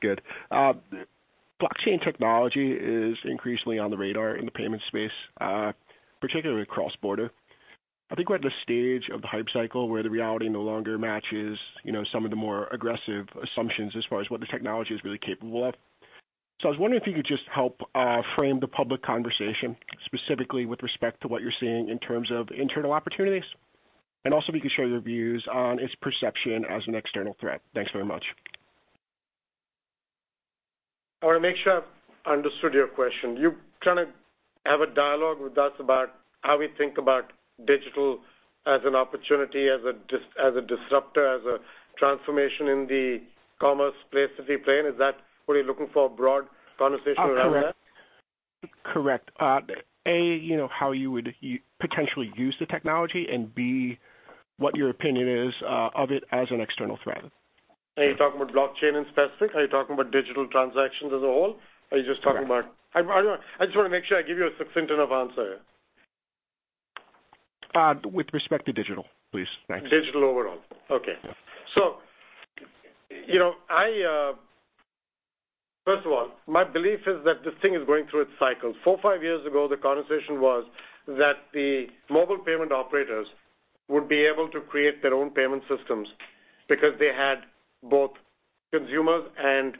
Good. Blockchain technology is increasingly on the radar in the payment space, particularly cross-border. I think we're at the stage of the hype cycle where the reality no longer matches some of the more aggressive assumptions as far as what the technology is really capable of. I was wondering if you could just help frame the public conversation specifically with respect to what you're seeing in terms of internal opportunities, and also if you could share your views on its perception as an external threat. Thanks very much. I want to make sure I've understood your question. You kind of have a dialogue with us about how we think about digital as an opportunity, as a disruptor, as a transformation in the commerce place that we play in. Is that what you're looking for, a broad conversation around that? Correct. A, how you would potentially use the technology and B, what your opinion is of it as an external threat. Are you talking about blockchain in specific? Are you talking about digital transactions as a whole? Are you just talking about. Correct. I just want to make sure I give you a succinct enough answer. With respect to digital, please. Thanks. Digital overall. Okay. Yeah. First of all, my belief is that this thing is going through its cycles. Four or five years ago, the conversation was that the mobile payment operators would be able to create their own payment systems because they had both consumers and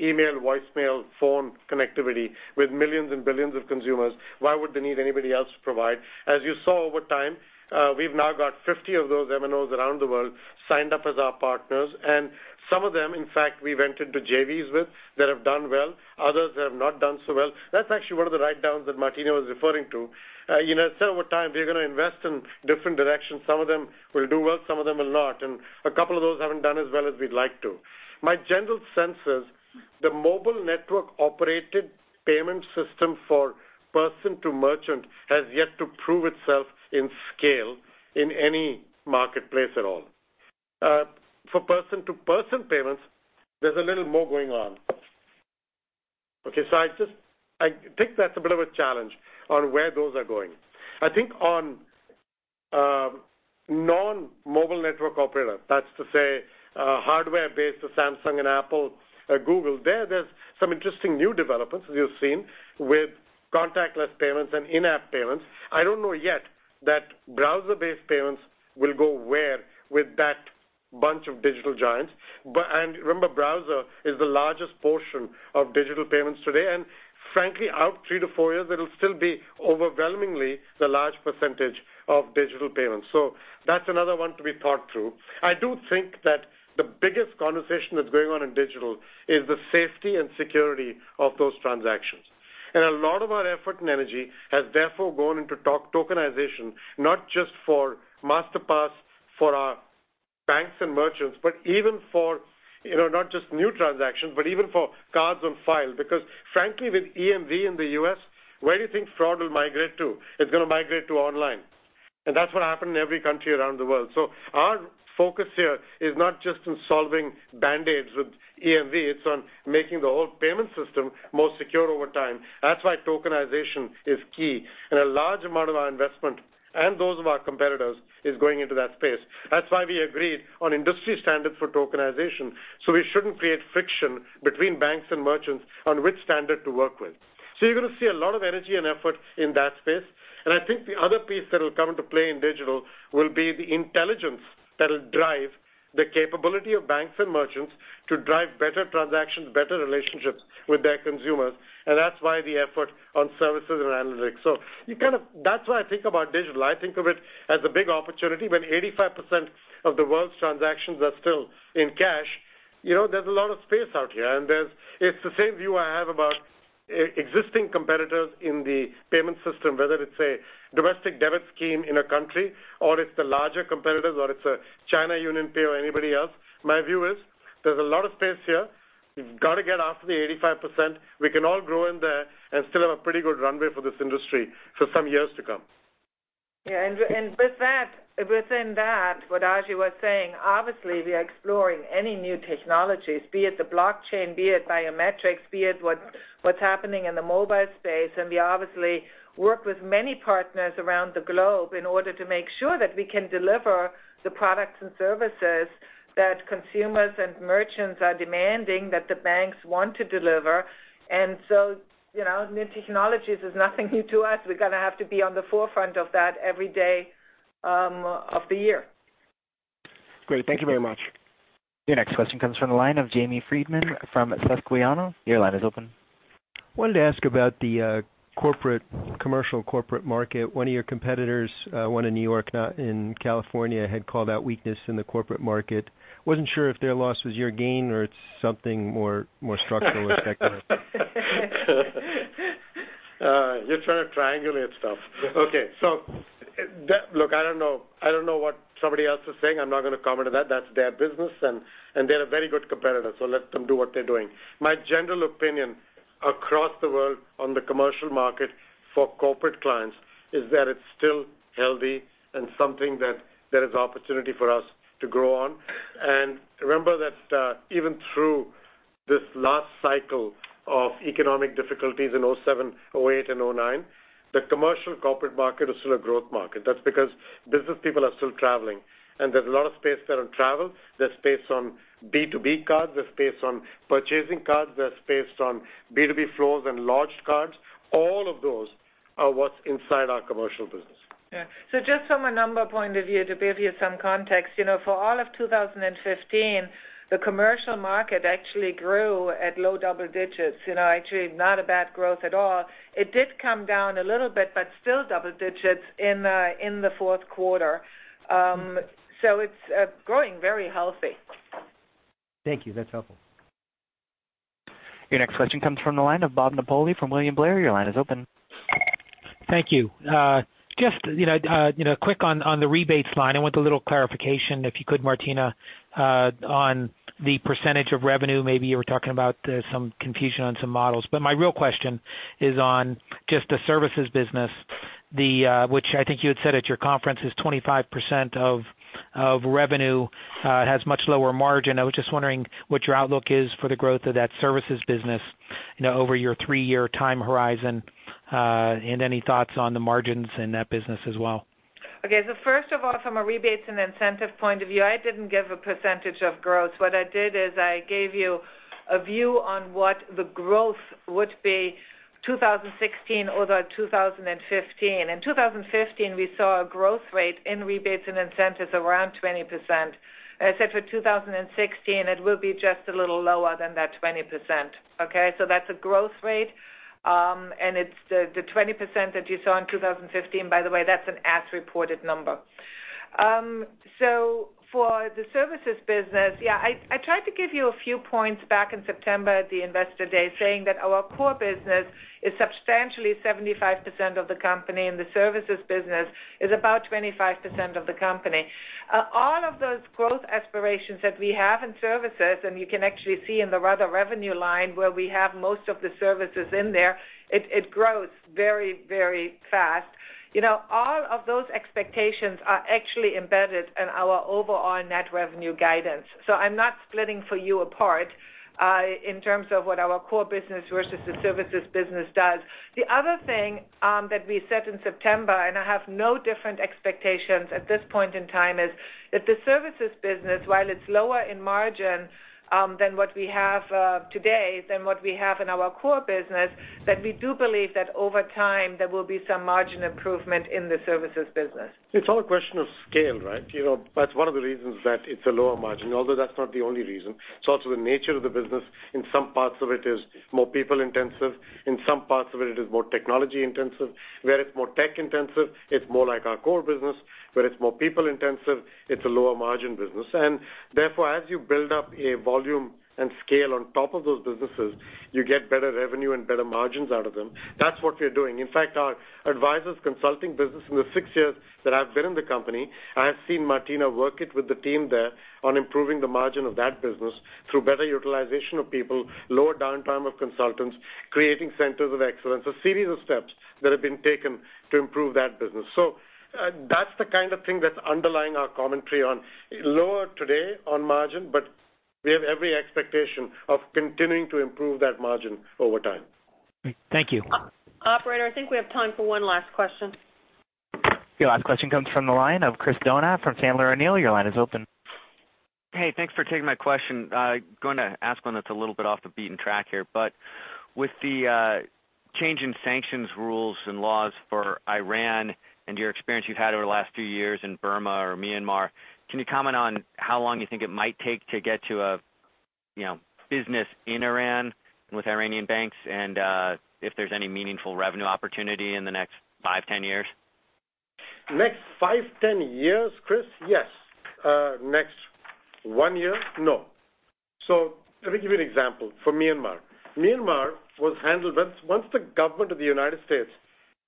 email, voicemail, phone connectivity with millions and billions of consumers. Why would they need anybody else to provide? As you saw over time, we've now got 50 of those MNOs around the world signed up as our partners, and some of them, in fact, we went into JVs with that have done well, others that have not done so well. That's actually one of the write-downs that Martina was referring to. Over time, we're going to invest in different directions. Some of them will do well, some of them will not, and a couple of those haven't done as well as we'd like to. My general sense is the mobile network-operated payment system for person-to-merchant has yet to prove itself in scale in any marketplace at all. For person-to-person payments, there's a little more going on. I think that's a bit of a challenge on where those are going. I think on non-mobile network operator, that's to say hardware-based, the Samsung and Apple, Google, there's some interesting new developments, as you've seen with contactless payments and in-app payments. I don't know yet that browser-based payments will go where with that bunch of digital giants. Remember, browser is the largest portion of digital payments today. Frankly, out three to four years, it'll still be overwhelmingly the large percentage of digital payments. That's another one to be thought through. I do think that the biggest conversation that's going on in digital is the safety and security of those transactions. A lot of our effort and energy has therefore gone into tokenization, not just for Masterpass for our banks and merchants, but even for not just new transactions, but even for cards on file. Because frankly, with EMV in the U.S., where do you think fraud will migrate to? It's going to migrate to online. That's what happened in every country around the world. Our focus here is not just in solving band-aids with EMV, it's on making the whole payment system more secure over time. That's why tokenization is key, and a large amount of our investment and those of our competitors is going into that space. That's why we agreed on industry standard for tokenization, so we shouldn't create friction between banks and merchants on which standard to work with. You're going to see a lot of energy and effort in that space. I think the other piece that will come into play in digital will be the intelligence that will drive the capability of banks and merchants to drive better transactions, better relationships with their consumers. That's why the effort on services and analytics. That's why I think about digital. I think of it as a big opportunity when 85% of the world's transactions are still in cash. There's a lot of space out here, and it's the same view I have about existing competitors in the payment system, whether it's a domestic debit scheme in a country or it's the larger competitors, or it's a China UnionPay or anybody else. My view is there's a lot of space here. We've got to get after the 85%. We can all grow in there and still have a pretty good runway for this industry for some years to come. Yeah. Within that, what Ajay was saying, obviously we are exploring any new technologies, be it the blockchain, be it biometrics, be it what's happening in the mobile space. We obviously work with many partners around the globe in order to make sure that we can deliver the products and services that consumers and merchants are demanding that the banks want to deliver. New technologies is nothing new to us. We're going to have to be on the forefront of that every day of the year. Great. Thank you very much. Your next question comes from the line of Jamie Friedman from Susquehanna. Your line is open. Wanted to ask about the commercial corporate market. One of your competitors, one in New York, not in California, had called out weakness in the corporate market. Wasn't sure if their loss was your gain or it's something more structural effect there. You're trying to triangulate stuff. Okay. Look, I don't know what somebody else is saying. I'm not going to comment on that. That's their business, and they're a very good competitor, so let them do what they're doing. My general opinion across the world on the commercial market for corporate clients is that it's still healthy and something that there is opportunity for us to grow on. Remember that even through this last cycle of economic difficulties in 2007, 2008, and 2009, the commercial corporate market is still a growth market. That's because business people are still traveling, and there's a lot of space there on travel. There's space on B2B cards, there's space on purchasing cards, there's space on B2B flows and lodged cards. All of those are what's inside our commercial business. Yeah. Just from a number point of view, to give you some context, for all of 2015, the commercial market actually grew at low double digits. Actually not a bad growth at all. It did come down a little bit, but still double digits in the fourth quarter. It's growing very healthy. Thank you. That's helpful. Your next question comes from the line of Bob Napoli from William Blair. Your line is open. Thank you. Just quick on the rebates line, I want a little clarification, if you could, Martina, on the percentage of revenue. Maybe you were talking about some confusion on some models. My real question is on just the services business, which I think you had said at your conference is 25% of revenue has much lower margin. I was just wondering what your outlook is for the growth of that services business over your three-year time horizon. Any thoughts on the margins in that business as well? Okay. First of all, from a rebates and incentive point of view, I didn't give a percentage of growth. What I did is I gave you a view on what the growth would be 2016 over 2015. In 2015, we saw a growth rate in rebates and incentives around 20%. I said for 2016 it will be just a little lower than that 20%. Okay? That's a growth rate. It's the 20% that you saw in 2015, by the way, that's an as-reported number. For the services business, yeah, I tried to give you a few points back in September at the Investor Day saying that our core business is substantially 75% of the company, and the services business is about 25% of the company. All of those growth aspirations that we have in services, and you can actually see in the other revenue line where we have most of the services in there, it grows very fast. All of those expectations are actually embedded in our overall net revenue guidance. I'm not splitting for you apart in terms of what our core business versus the services business does. The other thing that we said in September, I have no different expectations at this point in time, is that the services business, while it's lower in margin than what we have today, than what we have in our core business, that we do believe that over time there will be some margin improvement in the services business. It's all a question of scale, right? That's one of the reasons that it's a lower margin, although that's not the only reason. It's also the nature of the business. In some parts of it is more people-intensive. In some parts of it is more technology-intensive. Where it's more tech-intensive, it's more like our core business. Where it's more people-intensive, it's a lower margin business. Therefore, as you build up a volume and scale on top of those businesses, you get better revenue and better margins out of them. That's what we're doing. In fact, our advisors consulting business in the six years that I've been in the company, I have seen Martina work it with the team there on improving the margin of that business through better utilization of people, lower downtime of consultants, creating centers of excellence, a series of steps that have been taken to improve that business. That's the kind of thing that's underlying our commentary on lower today on margin, but we have every expectation of continuing to improve that margin over time. Thank you. Operator, I think we have time for one last question. Your last question comes from the line of Christopher Donat from Sandler O'Neill. Your line is open. Hey, thanks for taking my question. Going to ask one that's a little bit off the beaten track here. With the change in sanctions rules and laws for Iran and your experience you've had over the last few years in Burma or Myanmar, can you comment on how long you think it might take to get to a business in Iran with Iranian banks and if there's any meaningful revenue opportunity in the next five, 10 years? Next five, 10 years, Chris? Yes. Next one year, no. Let me give you an example from Myanmar. Once the government of the U.S.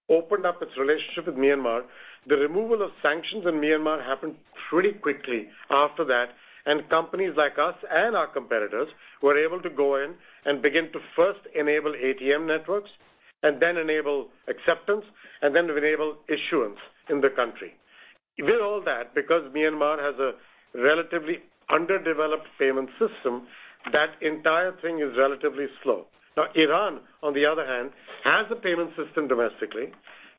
opened up its relationship with Myanmar, the removal of sanctions on Myanmar happened pretty quickly after that, and companies like us and our competitors were able to go in and begin to first enable ATM networks and then enable acceptance, and then enable issuance in the country. We did all that because Myanmar has a relatively underdeveloped payment system. That entire thing is relatively slow. Iran, on the other hand, has a payment system domestically.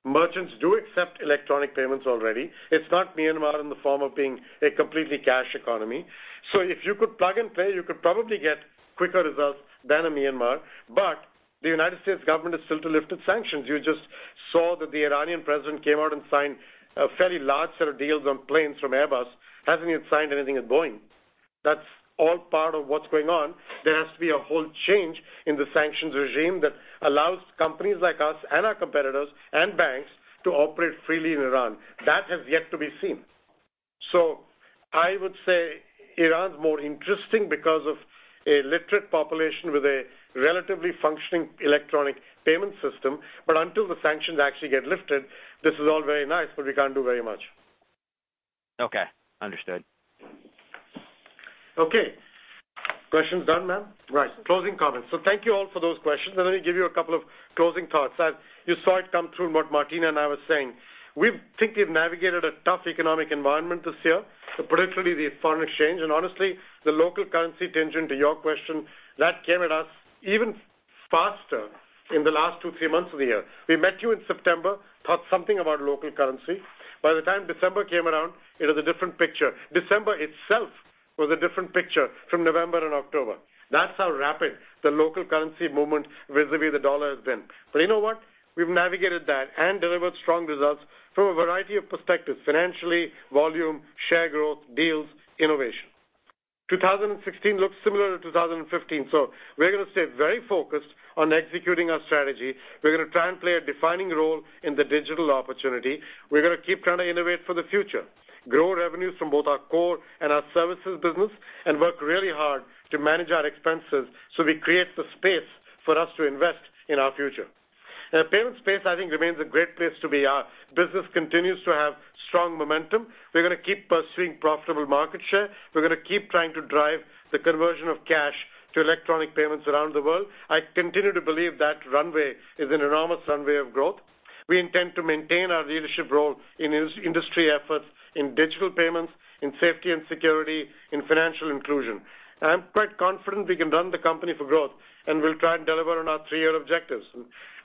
Merchants do accept electronic payments already. It's not Myanmar in the form of being a completely cash economy. If you could plug and play, you could probably get quicker results than in Myanmar, but the U.S. government has still to lift its sanctions. You just saw that the Iranian president came out and signed a fairly large set of deals on planes from Airbus. Hasn't even signed anything with Boeing. That's all part of what's going on. There has to be a whole change in the sanctions regime that allows companies like us and our competitors and banks to operate freely in Iran. That has yet to be seen. I would say Iran's more interesting because of a literate population with a relatively functioning electronic payment system. Until the sanctions actually get lifted, this is all very nice, but we can't do very much. Okay, understood. Thank you all for those questions, and let me give you a couple of closing thoughts. You saw it come through in what Martina and I were saying. We think we've navigated a tough economic environment this year, particularly the foreign exchange, and honestly, the local currency tangent to your question that came at us even faster in the last two, three months of the year. We met you in September, talked something about local currency. By the time December came around, it was a different picture. December itself was a different picture from November and October. That's how rapid the local currency movement vis-à-vis the U.S. dollar has been. You know what? We've navigated that and delivered strong results from a variety of perspectives, financially, volume, share growth, deals, innovation. 2016 looks similar to 2015. We're going to stay very focused on executing our strategy. We're going to try and play a defining role in the digital opportunity. We're going to keep trying to innovate for the future, grow revenues from both our core and our services business, and work really hard to manage our expenses so we create the space for us to invest in our future. The payment space, I think remains a great place to be. Our business continues to have strong momentum. We're going to keep pursuing profitable market share. We're going to keep trying to drive the conversion of cash to electronic payments around the world. I continue to believe that runway is an enormous runway of growth. We intend to maintain our leadership role in industry efforts in digital payments, in safety and security, in financial inclusion. I'm quite confident we can run the company for growth, and we'll try and deliver on our three-year objectives.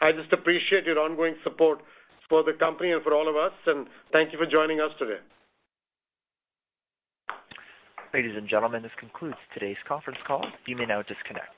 I just appreciate your ongoing support for the company and for all of us, and thank you for joining us today. Ladies and gentlemen, this concludes today's conference call. You may now disconnect.